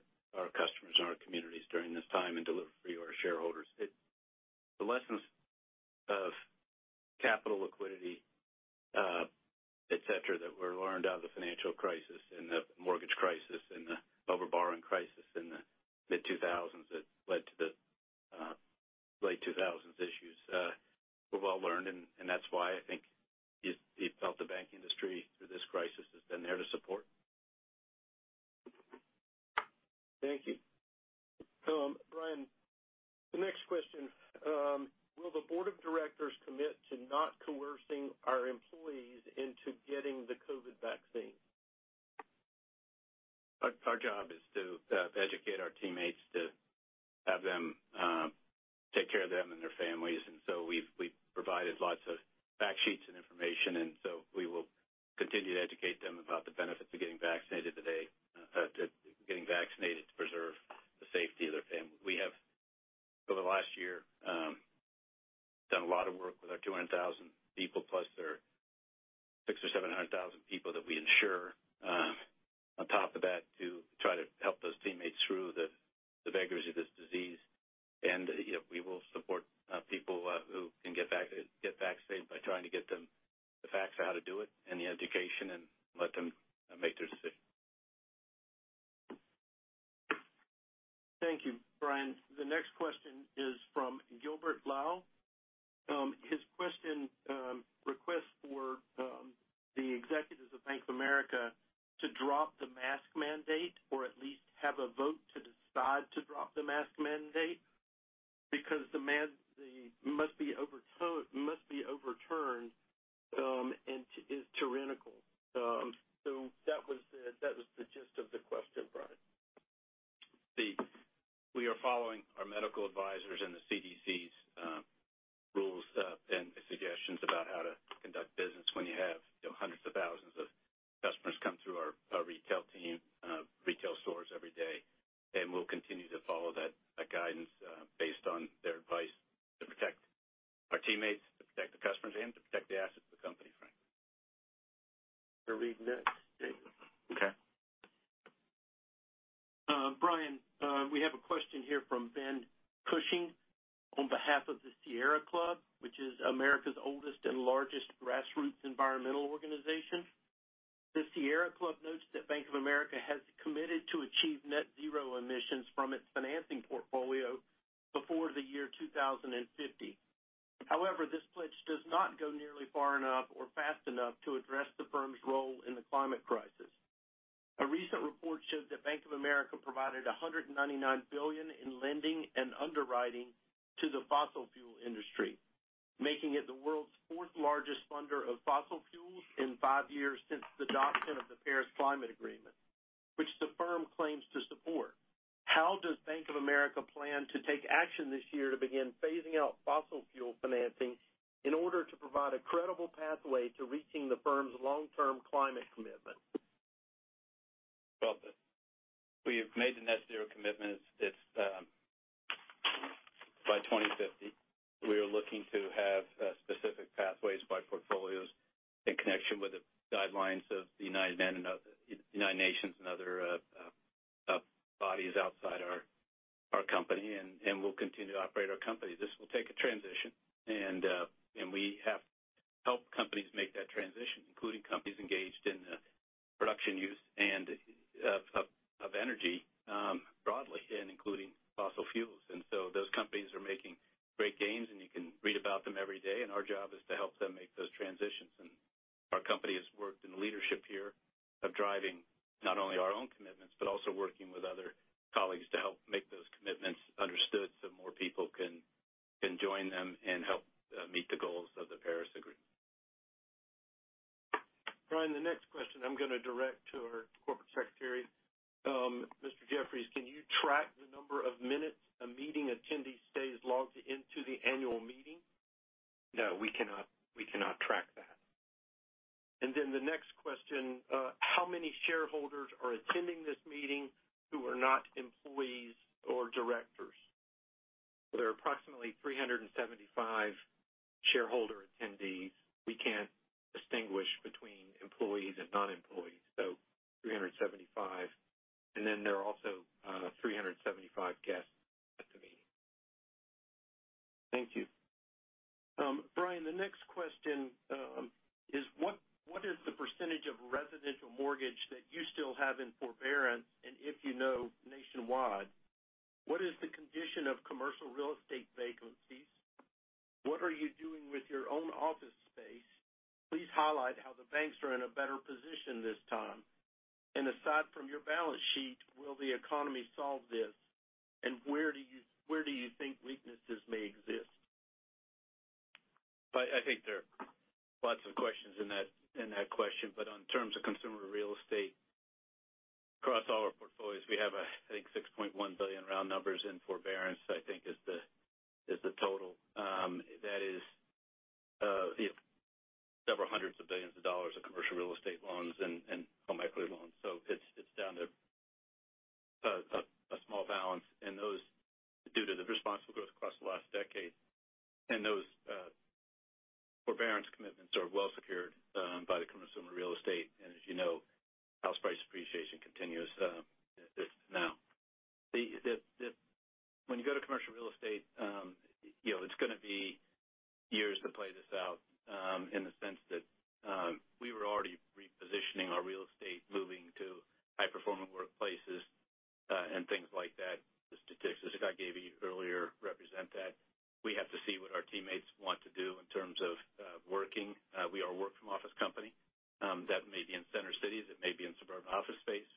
customers, and our communities during this time and deliver for your shareholders. The lessons of capital liquidity, et cetera, that were learned out of the financial crisis and the mortgage crisis The Sierra Club notes that Bank of America has committed to achieve net zero emissions from its financing portfolio before the year 2050. However, this pledge does not go nearly far enough or fast enough to address the firm's role in the climate crisis. A recent report showed that Bank of America provided $199 billion in lending and underwriting to the fossil fuel industry, making it the world's fourth largest funder of fossil fuels in five years since the adoption of the Paris Climate Agreement, which the firm claims to support. How does Bank of America plan to take action this year to begin phasing out fossil fuel financing in order to provide a credible pathway to reaching the firm's long-term climate commitment? Well, we've made the net zero commitment. It's by 2050. We are looking to have specific pathways by portfolios in connection with the guidelines of the United Nations and other bodies outside our company. We'll continue to operate our company. This will take a transition. We have to help companies make that transition, including companies engaged in the production use of energy broadly and including fossil fuels. Those companies are making great gains, and you can read about them every day, and our job is to help them make those transitions. Our company has worked in a leadership here of driving not only our own commitments but also working with other colleagues to help make those commitments understood so more people can join them and help meet the goals of the Paris Agreement. Brian, the next question I'm going to direct to our Corporate Secretary. Mr. Jeffries, can you track the number of minutes a meeting attendee stays logged into the annual meeting? No, we cannot track that. The next question, how many shareholders are attending this meeting who are not employees or directors? There are approximately 375 shareholder attendees. We can't distinguish between employees and non-employees, 375. There are also 375 guests at the meeting. Thank you. Brian, the next question is what is the percentage of residential mortgage that you still have in forbearance? If you know, nationwide, what is the condition of commercial real estate vacancies? What are you doing with your own office space? Please highlight how the banks are in a better position this time. Aside from your balance sheet, will the economy solve this? Where do you think weaknesses may exist? I think there are lots of questions in that question. In terms of consumer real estate, across all our portfolios, we have, I think, $6.1 billion round numbers in forbearance, I think is the total. That is several hundreds of billions of dollars of commercial real estate loans and home equity loans. It's down to a small balance, and those due to the responsible growth across the last decade. Those forbearance commitments are well secured by the commercial and real estate. As you know, house price appreciation continues now. When you go to commercial real estate, it's going to be years to play this out in the sense that we were already moving to high performing workplaces and things like that. The statistics that I gave you earlier represent that. We have to see what our teammates want to do in terms of working. We are a work from office company. That may be in center cities, it may be in suburban office space,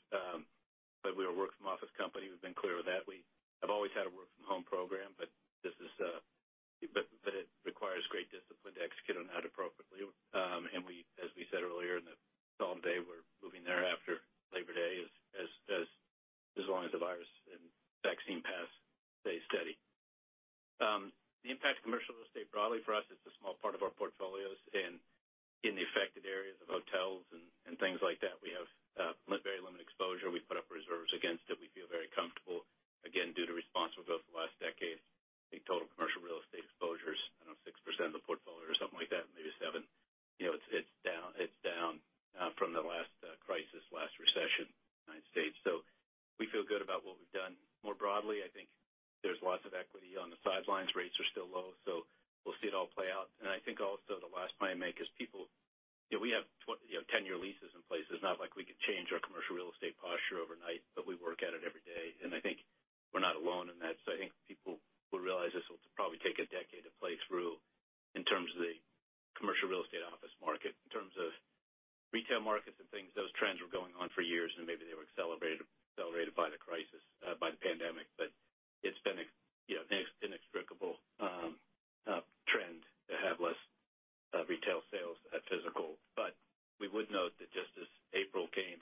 but we are a work from office company. We've been clear with that. We have always had a work from home program. It requires great discipline to execute on that appropriately. As we said earlier, in the fall day, we're moving there after Labor Day, as long as the virus and vaccine pass stay steady. The impact of commercial real estate broadly for us is a small part of our portfolios and in the affected areas of hotels and things like that. We have very limited exposure. We've put up reserves against it. We feel very comfortable. Again, due to responsible growth the last decade, I think total commercial real estate exposure is around 6% of the portfolio or something like that, maybe seven. It's down from the last crisis, last recession in the United States. We feel good about what we've done. More broadly, I think there's lots of equity on the sidelines. Rates are still low, we'll see it all play out. I think also the last point I make is people, we have 10-year leases in place. It's not like we can change our commercial real estate posture overnight, but we work at it every day, and I think we're not alone in that. I think people will realize this will probably take a decade to play through in terms of the commercial real estate office market. In terms of retail markets and things, those trends were going on for years, and maybe they were accelerated by the crisis, by the pandemic. It's been an inextricable trend to have less retail sales at physical. We would note that just this April game,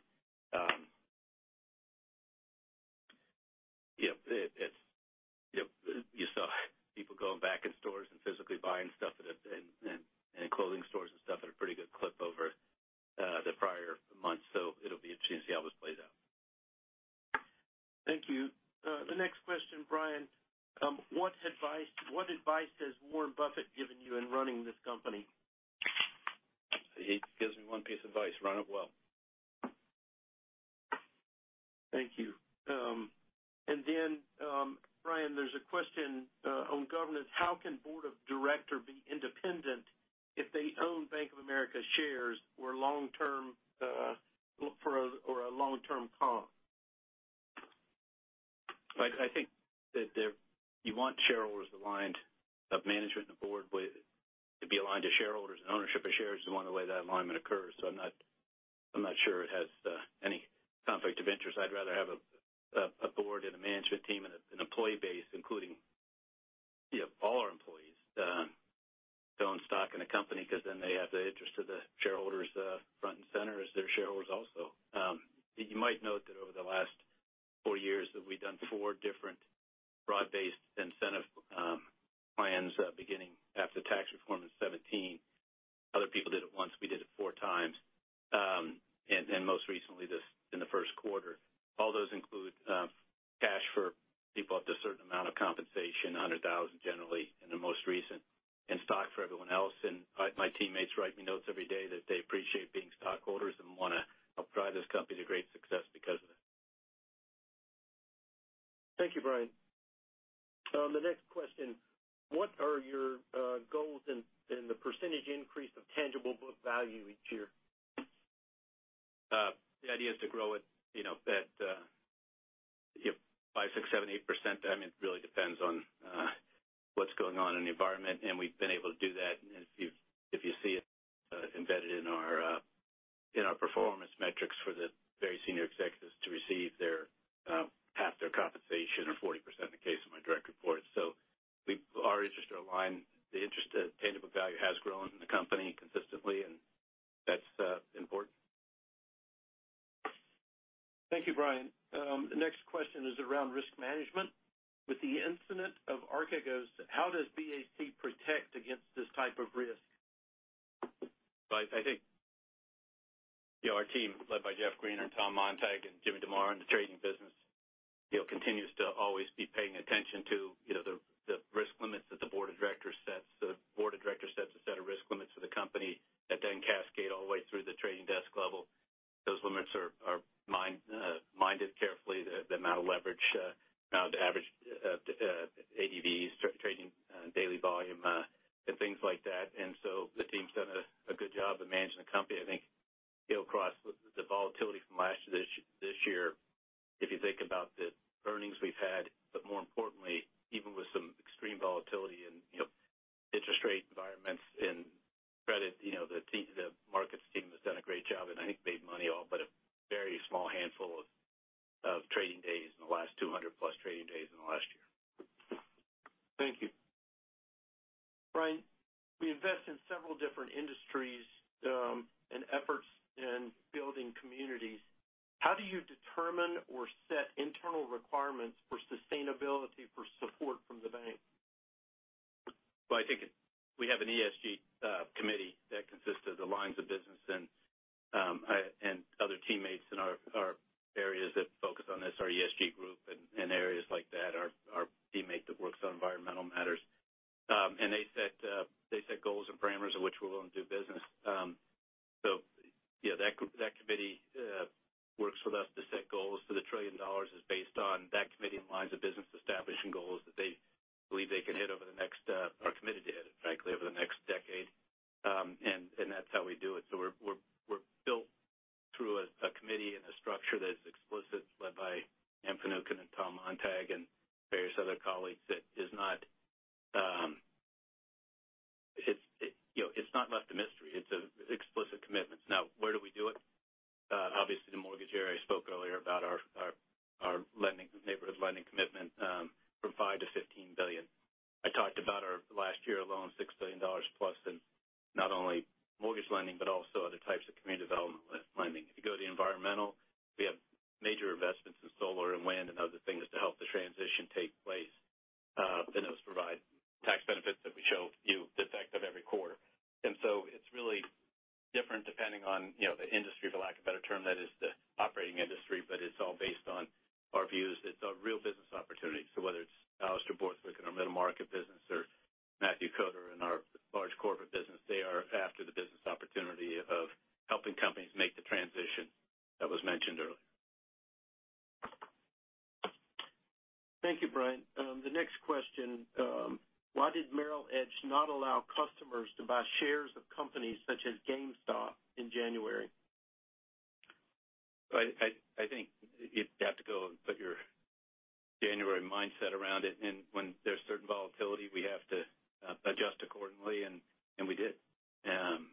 you saw people going back in stores and physically buying stuff in clothing stores and stuff at a pretty good clip over the prior months. It'll be interesting to see how this plays out. Thank you. The next question, Brian. What advice has Warren Buffett given you in running this company? He gives me one piece of advice. Run it well. Thank you. Brian, there's a question on governance. How can Board of Directors be independent if they own Bank of America shares or a long-term comp? I think that you want shareholders aligned. Management and the board to be aligned to shareholders, ownership of shares is one of the way that alignment occurs. I'm not sure it has any conflict of interest. I'd rather have a board and a management team and an employee base, including all our employees to own stock in a company because then they have the interest of the shareholders front and center as they're shareholders also. You might note that over the last four years that we've done four different broad-based incentive plans beginning after tax reform in 2017. Other people did it once. We did it 4x. Most recently in the first quarter. All those include cash for people up to a certain amount of compensation, $100,000 generally in the most recent, and stock for everyone else. My teammates write me notes every day that they appreciate being stockholders and want to help drive this company to great success because of that. Thank you, Brian. The next question. What are your goals in the percentage increase of tangible book value each year? The idea is to grow it 5%, 6%, 7%, 8%. It really depends on what's going on in the environment, and we've been able to do that. If you see it embedded in our performance metrics for the very senior executives to receive half their compensation, or 40% in the case of my direct reports. Our interests are aligned. The interest at tangible value has grown in the company consistently, and that's important. Thank you, Brian. The next question is around risk management. With the incident of Archegos, how does BAC protect against this type of risk? I think our team, led by Geoff Greener and Tom Montag and Jim DeMare in the trading business, continues to always be paying attention to the risk limits that the Board of Directors sets. The Board of Directors sets a set of risk limits for the company that then cascade all the way through the trading desk level. Those limits are minded carefully, the amount of leverage, the average ADVs, trading daily volume, and things like that. The team's done a good job of managing the company. I think it'll cross the volatility from last to this year if you think about the earnings we've had. More importantly, even with some extreme volatility in interest rate environments and credit, the markets team has done a great job and I think made money all but a very small handful of trading days in the last 200+ trading days in the last year. Thank you. Brian, we invest in several different industries and efforts in building communities. How do you determine or set internal requirements for sustainability for support from the bank? Well, I think we have an ESG committee that consists of the lines of business and other teammates in our areas that focus on this, our ESG group and areas like that, our teammate that works on environmental matters. They set goals and parameters in which we're willing to do business. That committee works with us to set goals. The $1 trillion is based on that committee and lines of business establishing goals that are committed to hit likely over the next decade. That's how we do it. We're built through a committee and a structure that is explicit, led by Anne Finucane and Tom Montag and various other colleagues. It's not left a mystery. It's explicit commitments. Where do we do it? Obviously, the mortgage area I spoke earlier about our neighborhood lending commitment from $5 billion-$15 billion. I talked about our last year alone, $6+ billion in not only mortgage lending but also other types of community development lending. If you go to the environmental, we have major investments in solar and wind and other things to help the transition take place, and those provide tax benefits that we show you the effect of every quarter. It's really different depending on the industry, for lack of a better term, that is the operating industry, but it's all based on our views that they're real business opportunities. So, whether it's Alastair Borthwick in our middle market business or Matthew Koder in our large corporate business, they are after the business opportunity of helping companies make the transition that was mentioned earlier. Thank you, Brian. The next question. Why did Merrill Edge not allow customers to buy shares of companies such as GameStop in January? I think you'd have to go and put your January mindset around it, and when there's certain volatility, we have to adjust accordingly, and we did. That's the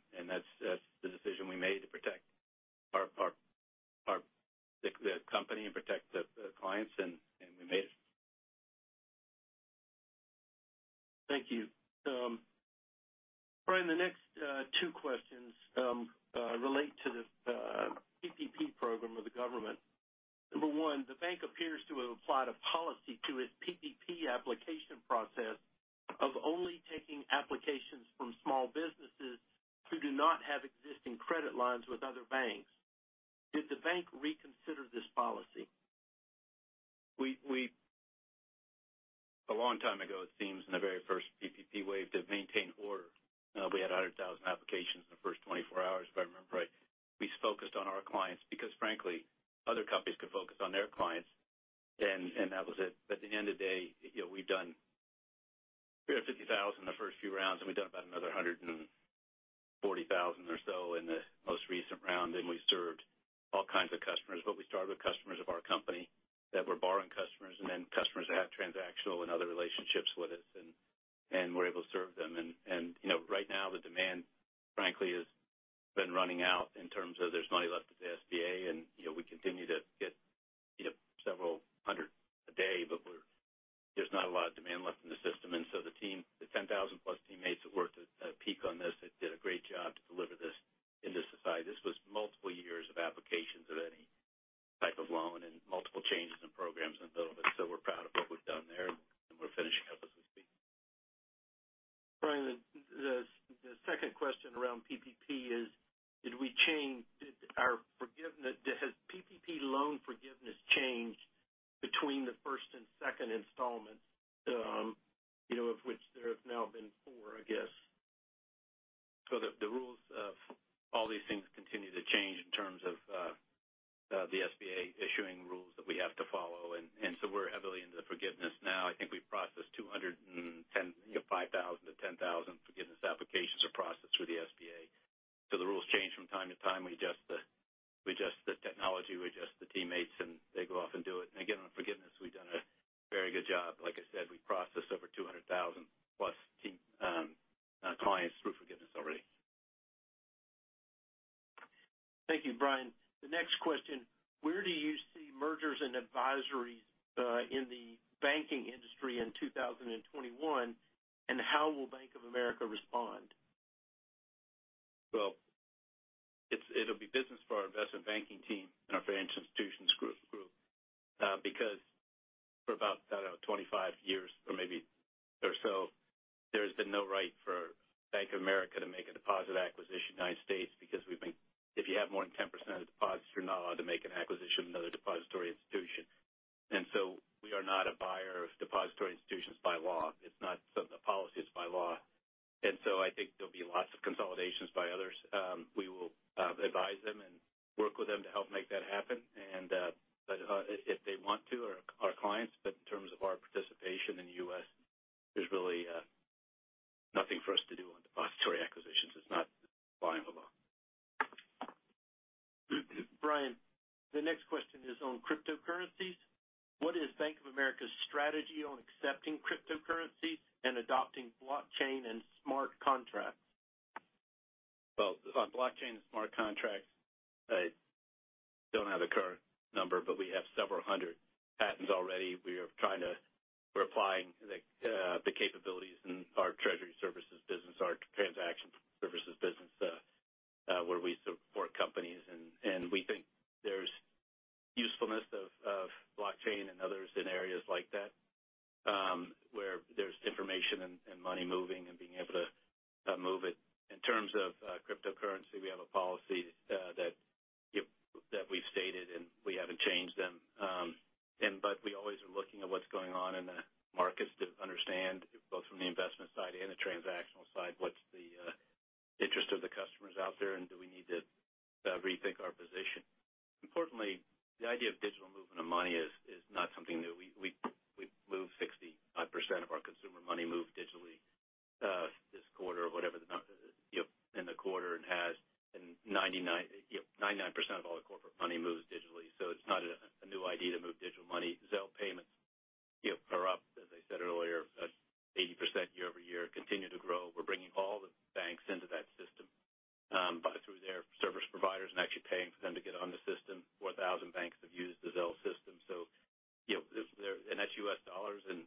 of which there have now been four, I guess? The rules of all these things continue to change in terms of the SBA issuing rules that we have to follow. We're heavily into the forgiveness now. 210,000 forgiveness applications are processed through the SBA. The rules change from time to time. We adjust the technology, we adjust the teammates, and they go off and do it. Again, on forgiveness, we've done a very good job. Like I said, we processed over 200,000+ clients through forgiveness already. Thank you, Brian. The next question. Where do you see mergers and advisories in the banking industry in 2021, and how will Bank of America respond? Well, it'll be business for our investment banking team and our financial institutions group because for about, I don't know, 25 years or maybe or so, there's been no right for Bank of America to make a deposit acquisition in the United States because if you have more than 10% of the deposits, you're not allowed to make an acquisition of another depository institution. We are not a buyer of depository institutions by law. It's not the policy, it's by law. I think there'll be lots of consolidations by others. We will advise them and work with them to help make that happen. If they want to, or our clients, but in terms of our participation in the U.S., there's really nothing for us to do on depository acquisitions. It's not by the law. Brian, the next question is on cryptocurrencies. What is Bank of America's strategy on accepting cryptocurrencies and adopting blockchain and smart contracts? Well, on blockchain and smart contracts, I don't have a current number, but we have several hundred patents already. We're applying the capabilities in our treasury services business, our transaction services business, where we support companies, and we think there's usefulness of blockchain and others in areas like that, where there's information and money moving and being able to move it. In terms of cryptocurrency, we have a policy that we've stated, and we haven't changed them. We always are looking at what's going on in the markets to understand both from the investment side and the transactional side out there and do we need to rethink our position? Importantly, the idea of digital movement of money is not something new. We moved 65% of our consumer money moved digitally this quarter, or whatever the number is in the quarter, it has. 99% of all the corporate money moves digitally. It's not a new idea to move digital money. Zelle payments are up, as I said earlier, 80% year-over-year, continue to grow. We're bringing all the banks into that system through their service providers and actually paying for them to get on the system. 4,000 banks have used the Zelle system. That's U.S. dollars and